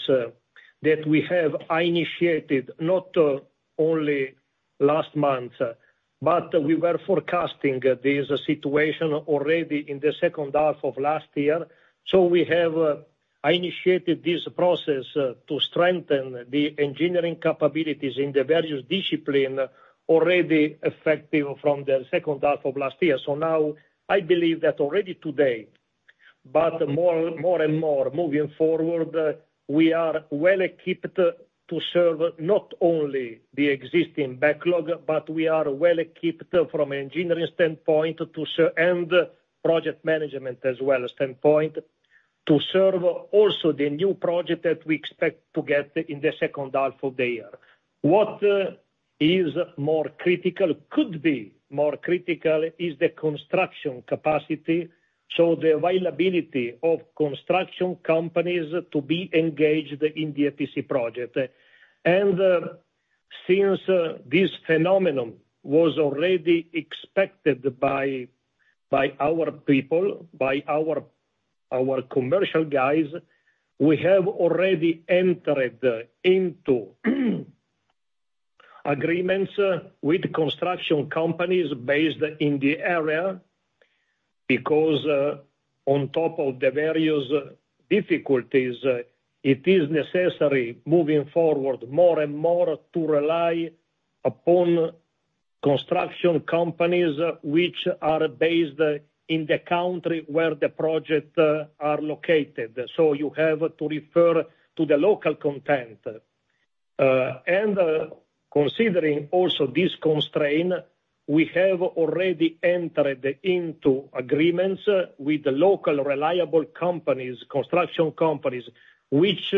[SPEAKER 2] that we have initiated, not only last month, but we were forecasting this situation already in the second half of last year. We have initiated this process to strengthen the engineering capabilities in the various discipline, already effective from the second half of last year. Now, I believe that already today, but more and more moving forward, we are well equipped to serve not only the existing backlog, but we are well equipped from engineering standpoint to serve and project management as well as standpoint, to serve also the new project that we expect to get in the second half of the year. What is more critical, could be more critical, is the construction capacity, so the availability of construction companies to be engaged in the FTC project. Since this phenomenon was already expected by our people, by our commercial guys, we have already entered into agreements with construction companies based in the area, because on top of the various difficulties, it is necessary, moving forward, more and more to rely upon construction companies which are based in the country where the project are located. So you have to refer to the local content. Considering also this constraint, we have already entered into agreements with the local reliable companies, construction companies, which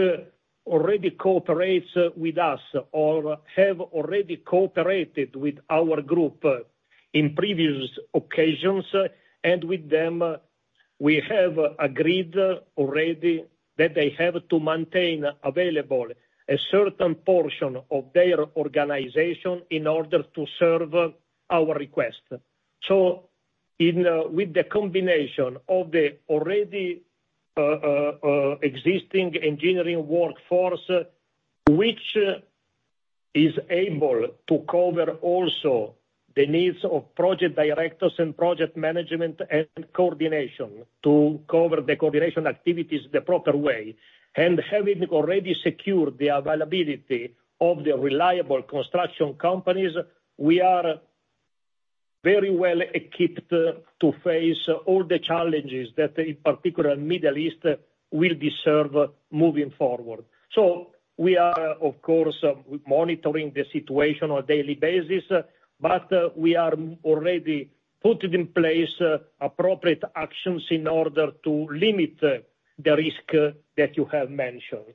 [SPEAKER 2] already cooperates with us or have already cooperated with our group in previous occasions, and with them, we have agreed already that they have to maintain available a certain portion of their organization in order to serve our request. In with the combination of the already existing engineering workforce, which is able to cover also the needs of project directors and project management and coordination, to cover the coordination activities the proper way, and having already secured the availability of the reliable construction companies, we are very well equipped to face all the challenges that, in particular, Middle East will deserve moving forward. We are, of course, monitoring the situation on a daily basis, but we are already putting in place appropriate actions in order to limit the risk that you have mentioned.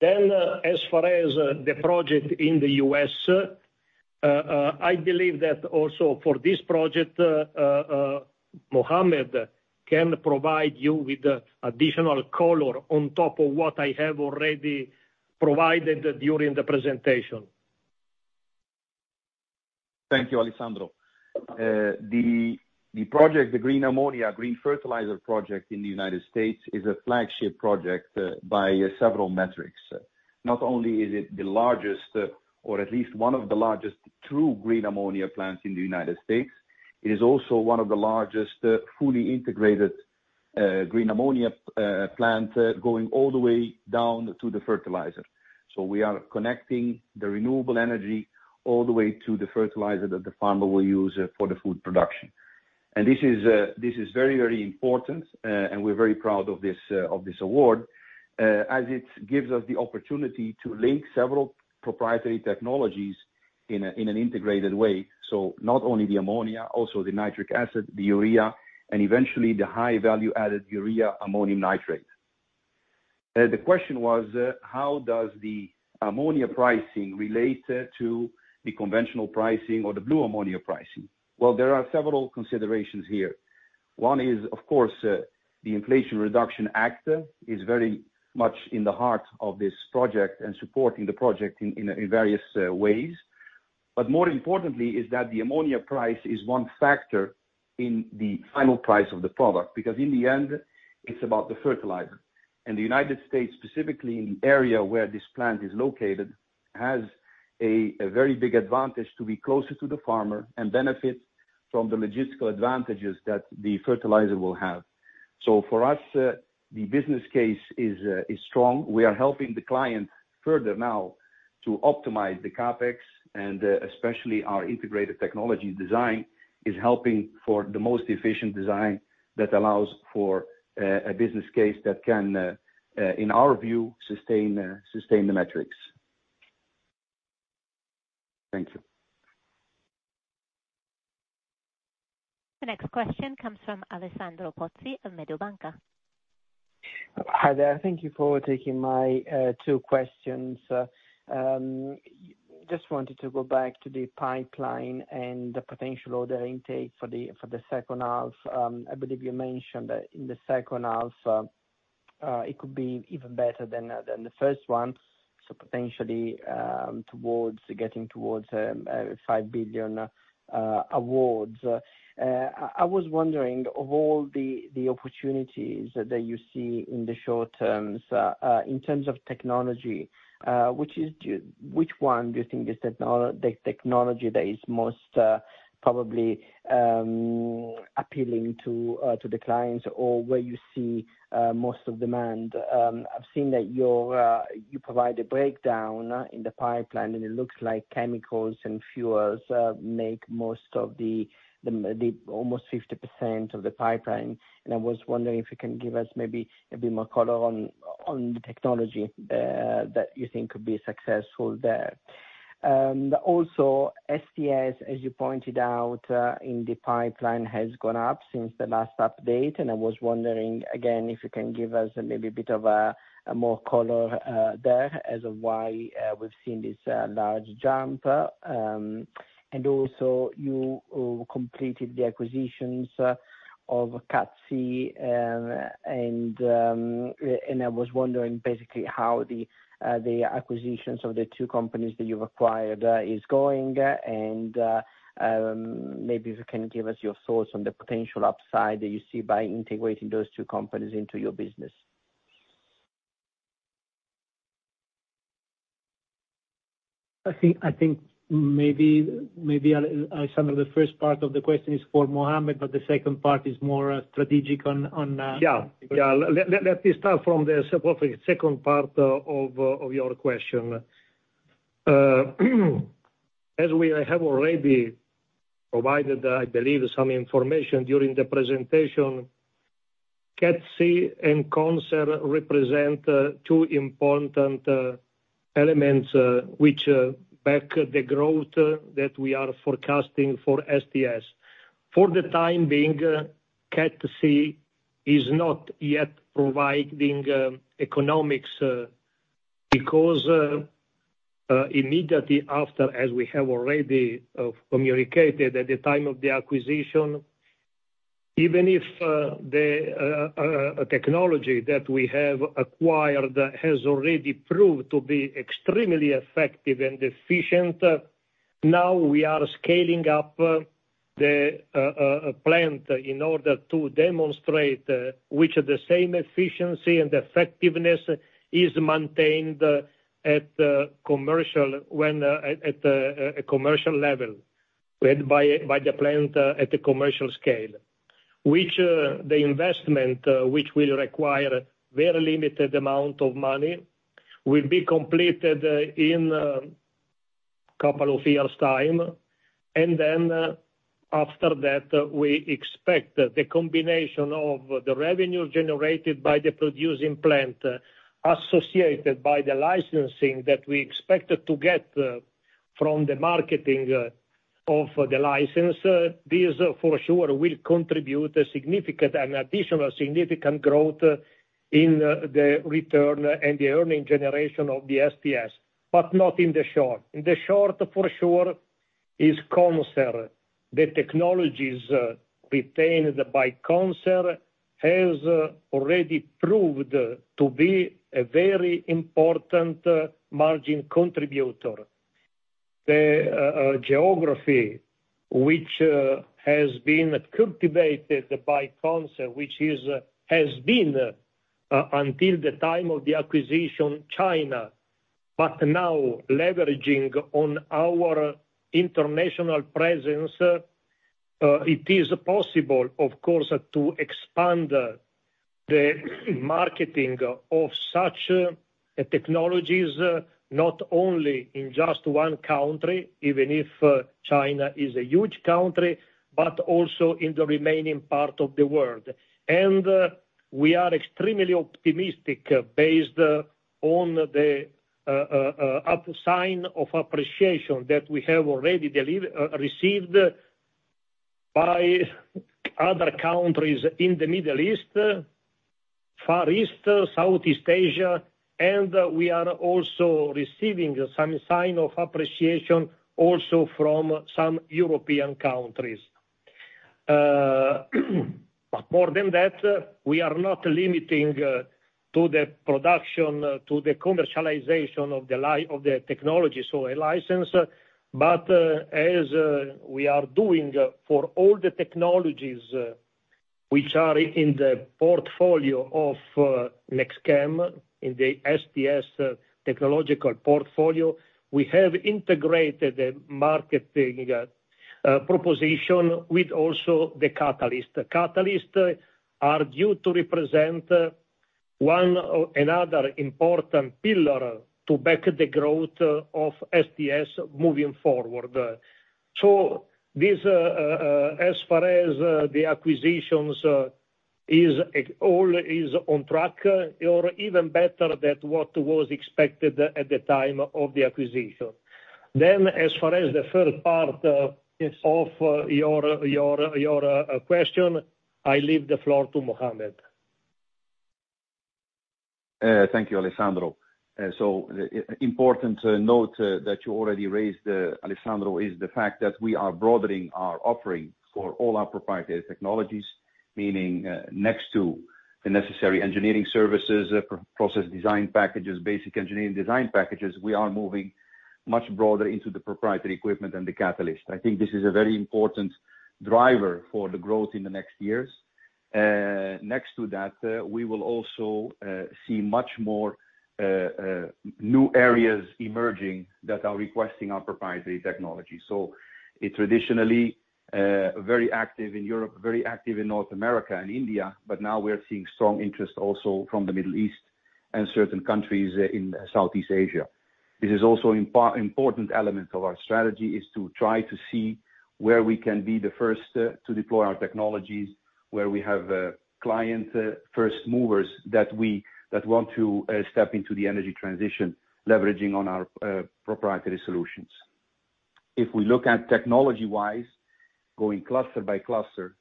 [SPEAKER 2] As far as the project in the U.S., I believe that also for this project, Mohammed can provide you with additional color on top of what I have already provided during the presentation.
[SPEAKER 6] Thank you, Alessandro. The project, the green ammonia, green fertilizer project in the United States, is a flagship project by several metrics. Not only is it the largest, or at least one of the largest, true green ammonia plants in the United States, it is also one of the largest, fully integrated, green ammonia plant, going all the way down to the fertilizer. We are connecting the renewable energy all the way to the fertilizer that the farmer will use for the food production. This is very, very important, and we're very proud of this, of this award, as it gives us the opportunity to link several proprietary technologies in an integrated way. Not only the ammonia, also the nitric acid, the urea, and eventually the high value added urea ammonium nitrate. The question was: How does the ammonia pricing relate to the conventional pricing or the blue ammonia pricing? Well, there are several considerations here. One is, of course, the Inflation Reduction Act is very much in the heart of this project and supporting the project in various ways. More importantly, is that the ammonia price is one factor in the final price of the product, because in the end, it's about the fertilizer. The United States, specifically in the area where this plant is located, has a very big advantage to be closer to the farmer and benefit from the logistical advantages that the fertilizer will have. For us, the business case is strong. We are helping the client further now to optimize the CapEx, and especially our integrated technology design is helping for the most efficient design that allows for a business case that can, in our view, sustain the metrics.
[SPEAKER 8] Thank you.
[SPEAKER 4] The next question comes from Alessandro Pozzi of Mediobanca.
[SPEAKER 9] Hi there. Thank you for taking my two questions. Just wanted to go back to the pipeline and the potential order intake for the second half. I believe you mentioned that in the second half, it could be even better than the first one, so potentially, towards, getting towards, 5 billion awards. I was wondering, of all the opportunities that you see in the short terms, in terms of technology, which one do you think is the technology that is most probably appealing to the clients, or where you see most of demand? I've seen that your, you provide a breakdown in the pipeline, it looks like chemicals and fuels make most of the almost 50% of the pipeline, I was wondering if you can give us maybe a bit more color on the technology that you think could be successful there. STS, as you pointed out, in the pipeline, has gone up since the last update, I was wondering, again, if you can give us a maybe a bit of a more color there, as of why we've seen this large jump. Also, you completed the acquisitions of CatC, and I was wondering basically how the acquisitions of the two companies that you've acquired is going. Maybe you can give us your thoughts on the potential upside that you see by integrating those two companies into your business.
[SPEAKER 3] I think maybe Alessandro, the first part of the question is for Mohammed, but the second part is more strategic on.
[SPEAKER 2] Yeah, yeah. Let me start from the second part of your question. As we have already provided, I believe, some information during the presentation, CatC and CONSER represent two important elements which back the growth that we are forecasting for STS. For the time being, CatC is not yet providing economics because immediately after, as we have already communicated at the time of the acquisition, even if the technology that we have acquired has already proved to be extremely effective and efficient, now we are scaling up the plant in order to demonstrate which of the same efficiency and effectiveness is maintained at commercial when at a commercial level, when by the plant at the commercial scale. Which, the investment, which will require very limited amount of money, will be completed in couple of years' time, and then, after that, we expect the combination of the revenue generated by the producing plant, associated by the licensing that we expect to get from the marketing of the license, this for sure will contribute a significant and additional significant growth in the return and the earning generation of the STS, but not in the short. In the short, for sure, is CONSER. The technologies retained by CONSER has already proved to be a very important margin contributor. The geography, which has been cultivated by CONSER, which has been until the time of the acquisition, China, but now leveraging on our international presence, it is possible of course to expand the marketing of such technologies not only in just one country, even if China is a huge country, but also in the remaining part of the world. We are extremely optimistic based on the up sign of appreciation that we have already received by other countries in the Middle East, Far East, Southeast Asia, and we are also receiving some sign of appreciation also from some European countries. More than that, we are not limiting to the production, to the commercialization of the technology, so a license, but as we are doing for all the technologies which are in the portfolio of NEXTCHEM, in the STS technological portfolio. We have integrated the marketing proposition with also the catalyst. The catalyst are due to represent another important pillar to back the growth of STS moving forward. This as far as the acquisitions is, it all is on track, or even better than what was expected at the time of the acquisition. As far as the third part of your, your, your question, I leave the floor to Mohammed.
[SPEAKER 6] Thank you, Alessandro. Important note that you already raised, Alessandro, is the fact that we are broadening our offering for all our proprietary technologies, meaning next to the necessary engineering services, process design packages, basic engineering design packages, we are moving much broader into the proprietary equipment and the catalyst. I think this is a very important driver for the growth in the next years. Next to that, we will also see much more new areas emerging that are requesting our proprietary technology. It traditionally very active in Europe, very active in North America and India, but now we're seeing strong interest also from the Middle East and certain countries in Southeast Asia. This is also important element of our strategy, is to try to see where we can be the first to deploy our technologies, where we have client first movers that want to step into the energy transition, leveraging on our proprietary solutions. If we look at technology-wise, going cluster by cluster,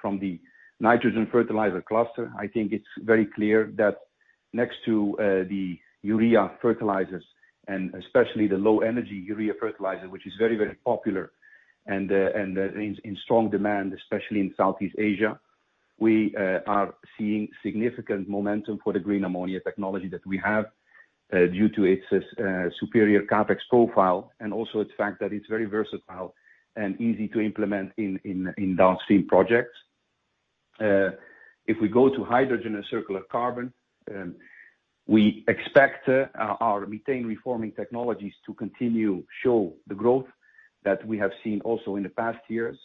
[SPEAKER 6] from the nitrogen fertilizer cluster, I think it's very clear that next to the urea fertilizers, and especially the low energy urea fertilizer, which is very, very popular, and in strong demand, especially in Southeast Asia, we are seeing significant momentum for the green ammonia technology that we have due to its superior CapEx profile, and also its fact that it's very versatile and easy to implement in downstream projects. If we go to hydrogen and circular carbon, we expect our methane reforming technologies to continue show the growth that we have seen also in the past years.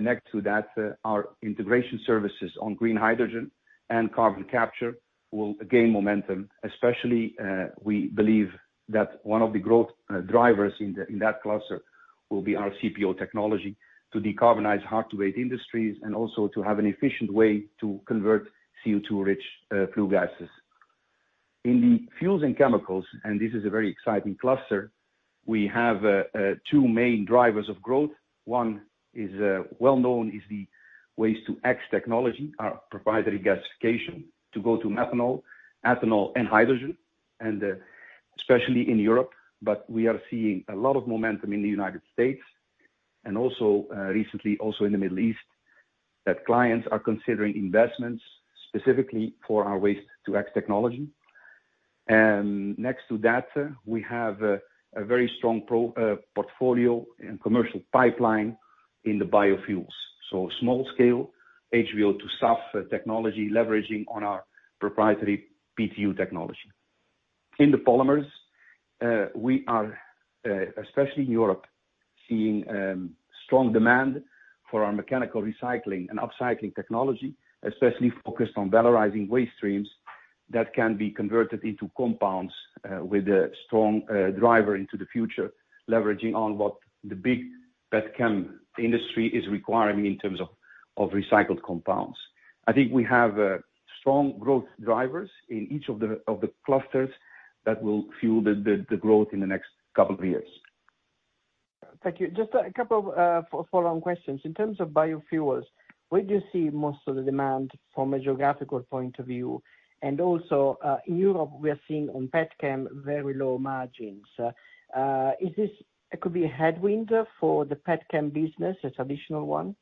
[SPEAKER 6] Next to that, our integration services on green hydrogen and carbon capture will gain momentum, especially, we believe that one of the growth drivers in that cluster will be our CPO technology to decarbonize hard-to-abate industries, and also to have an efficient way to convert CO2-rich flue gases. In the fuels and chemicals, this is a very exciting cluster, we have two main drivers of growth. One is well known, is the Waste-to-X technology, our proprietary gasification, to go to methanol, ethanol, and hydrogen, especially in Europe. We are seeing a lot of momentum in the United States, and also recently also in the Middle East, that clients are considering investments specifically for our Waste-to-X technology. Next to that, we have a very strong portfolio and commercial pipeline in the biofuels, so small scale HVO to SAF technology, leveraging on our proprietary PTU technology. In the polymers, we are especially in Europe seeing strong demand for our mechanical recycling and upcycling technology, especially focused on valorizing waste streams that can be converted into compounds with a strong driver into the future, leveraging on what the big petchem industry is requiring in terms of recycled compounds. I think we have strong growth drivers in each of the clusters that will fuel the growth in the next couple of years.
[SPEAKER 9] Thank you. Just a couple of follow-on questions. In terms of biofuels, where do you see most of the demand from a geographical point of view? Also, in Europe, we are seeing on petchem very low margins. It could be a headwind for the petchem business, a traditional one?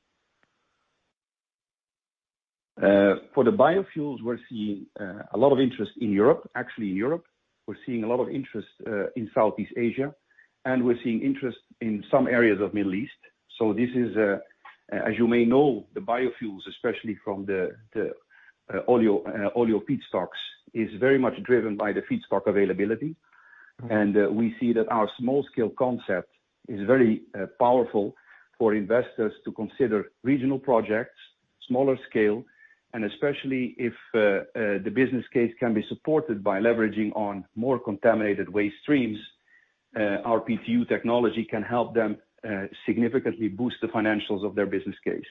[SPEAKER 6] For the biofuels, we're seeing a lot of interest in Europe. Actually, in Europe, we're seeing a lot of interest in Southeast Asia, and we're seeing interest in some areas of Middle East. This is, as you may know, the biofuels, especially from the oleo feedstocks, is very much driven by the feedstock availability. And we see that our small scale concept is very powerful for investors to consider regional projects, smaller scale, and especially if the business case can be supported by leveraging on more contaminated waste streams, our PTU technology can help them significantly boost the financials of their business case.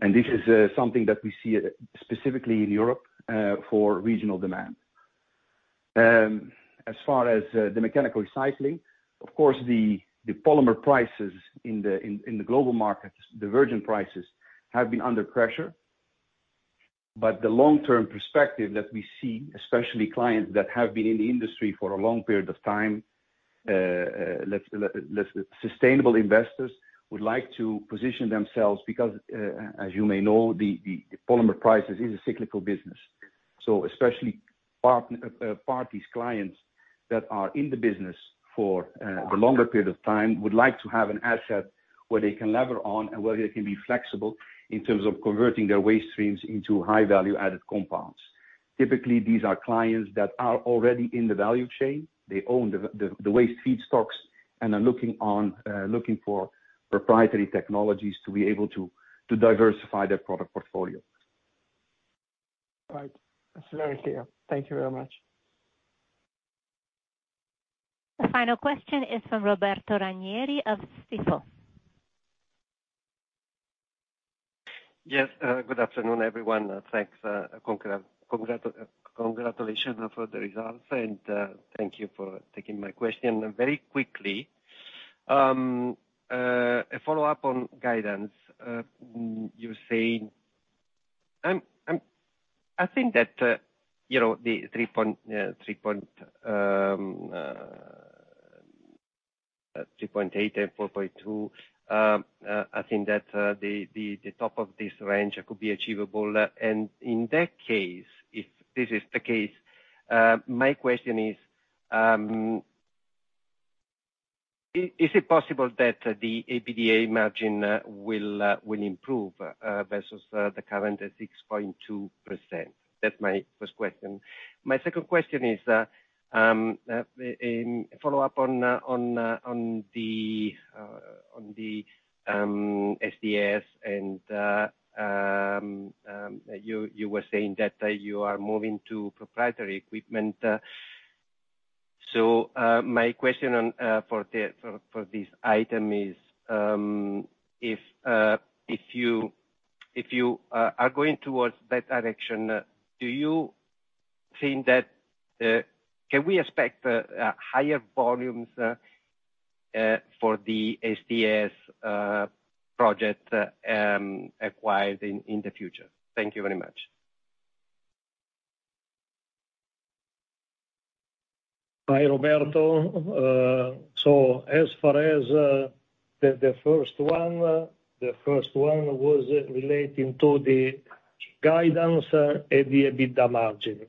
[SPEAKER 6] And this is something that we see specifically in Europe for regional demand. As far as the mechanical recycling, of course, the polymer prices in the global markets, the virgin prices, have been under pressure. The long-term perspective that we see, especially clients that have been in the industry for a long period of time, let's sustainable investors would like to position themselves, because as you may know, the polymer prices is a cyclical business. Especially partner, parties, clients that are in the business for, a longer period of time would like to have an asset where they can lever on, and where they can be flexible in terms of converting their waste streams into high value added compounds. Typically, these are clients that are already in the value chain. They own the waste feedstocks and are looking for proprietary technologies to be able to diversify their product portfolio.
[SPEAKER 9] Right. That's very clear. Thank you very much.
[SPEAKER 4] The final question is from Roberto Ranieri of Stifel.
[SPEAKER 10] Good afternoon, everyone, thanks. Congratulations for the results, and thank you for taking my question. Very quickly, a follow-up on guidance. You're saying... I think that, you know, the 3.8 and 4.2, I think that the top of this range could be achievable. In that case, if this is the case, my question is, is it possible that the EBITDA margin will improve versus the current 6.2%? That's my first question. My second question is follow up on the STS and you were saying that you are moving to proprietary equipment. My question for this item is if you are going towards that direction, can we expect higher volumes for the STS project acquired in the future? Thank you very much.
[SPEAKER 2] Hi, Roberto. As far as the first one, the first one was relating to the guidance and the EBITDA margin.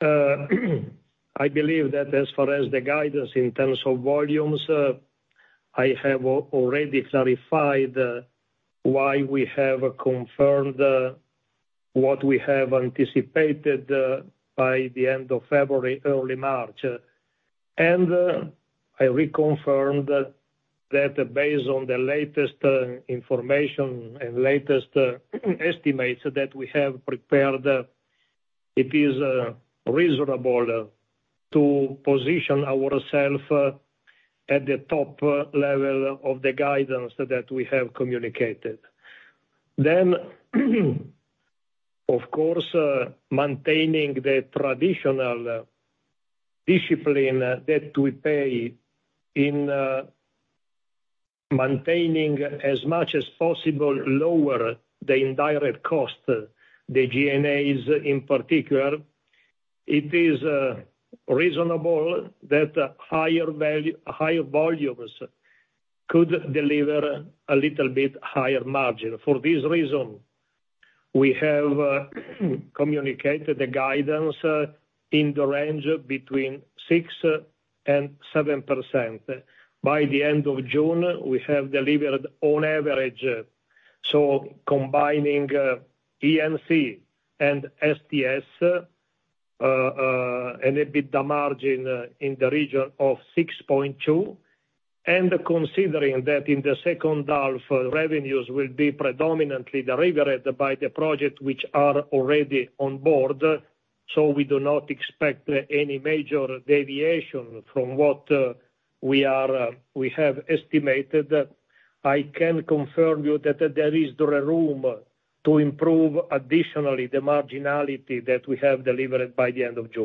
[SPEAKER 2] I believe that as far as the guidance in terms of volumes, I have already clarified why we have confirmed what we have anticipated by the end of February, early March. I reconfirm that based on the latest information and latest estimates that we have prepared, it is reasonable to position ourself at the top level of the guidance that we have communicated. Of course, maintaining the traditional discipline that we pay in maintaining as much as possible, lower the indirect cost, the G&As in particular, it is reasonable that higher volumes could deliver a little bit higher margin. For this reason, we have communicated the guidance, in the range between 6% and 7%. By the end of June, we have delivered on average, so combining, E&C and STS, an EBITDA margin, in the region of 6.2%. Considering that in the second half, revenues will be predominantly delivered by the projects which are already on board, we do not expect any major deviation from what we have estimated. I can confirm you that there is the room to improve additionally, the marginality that we have delivered by the end of June.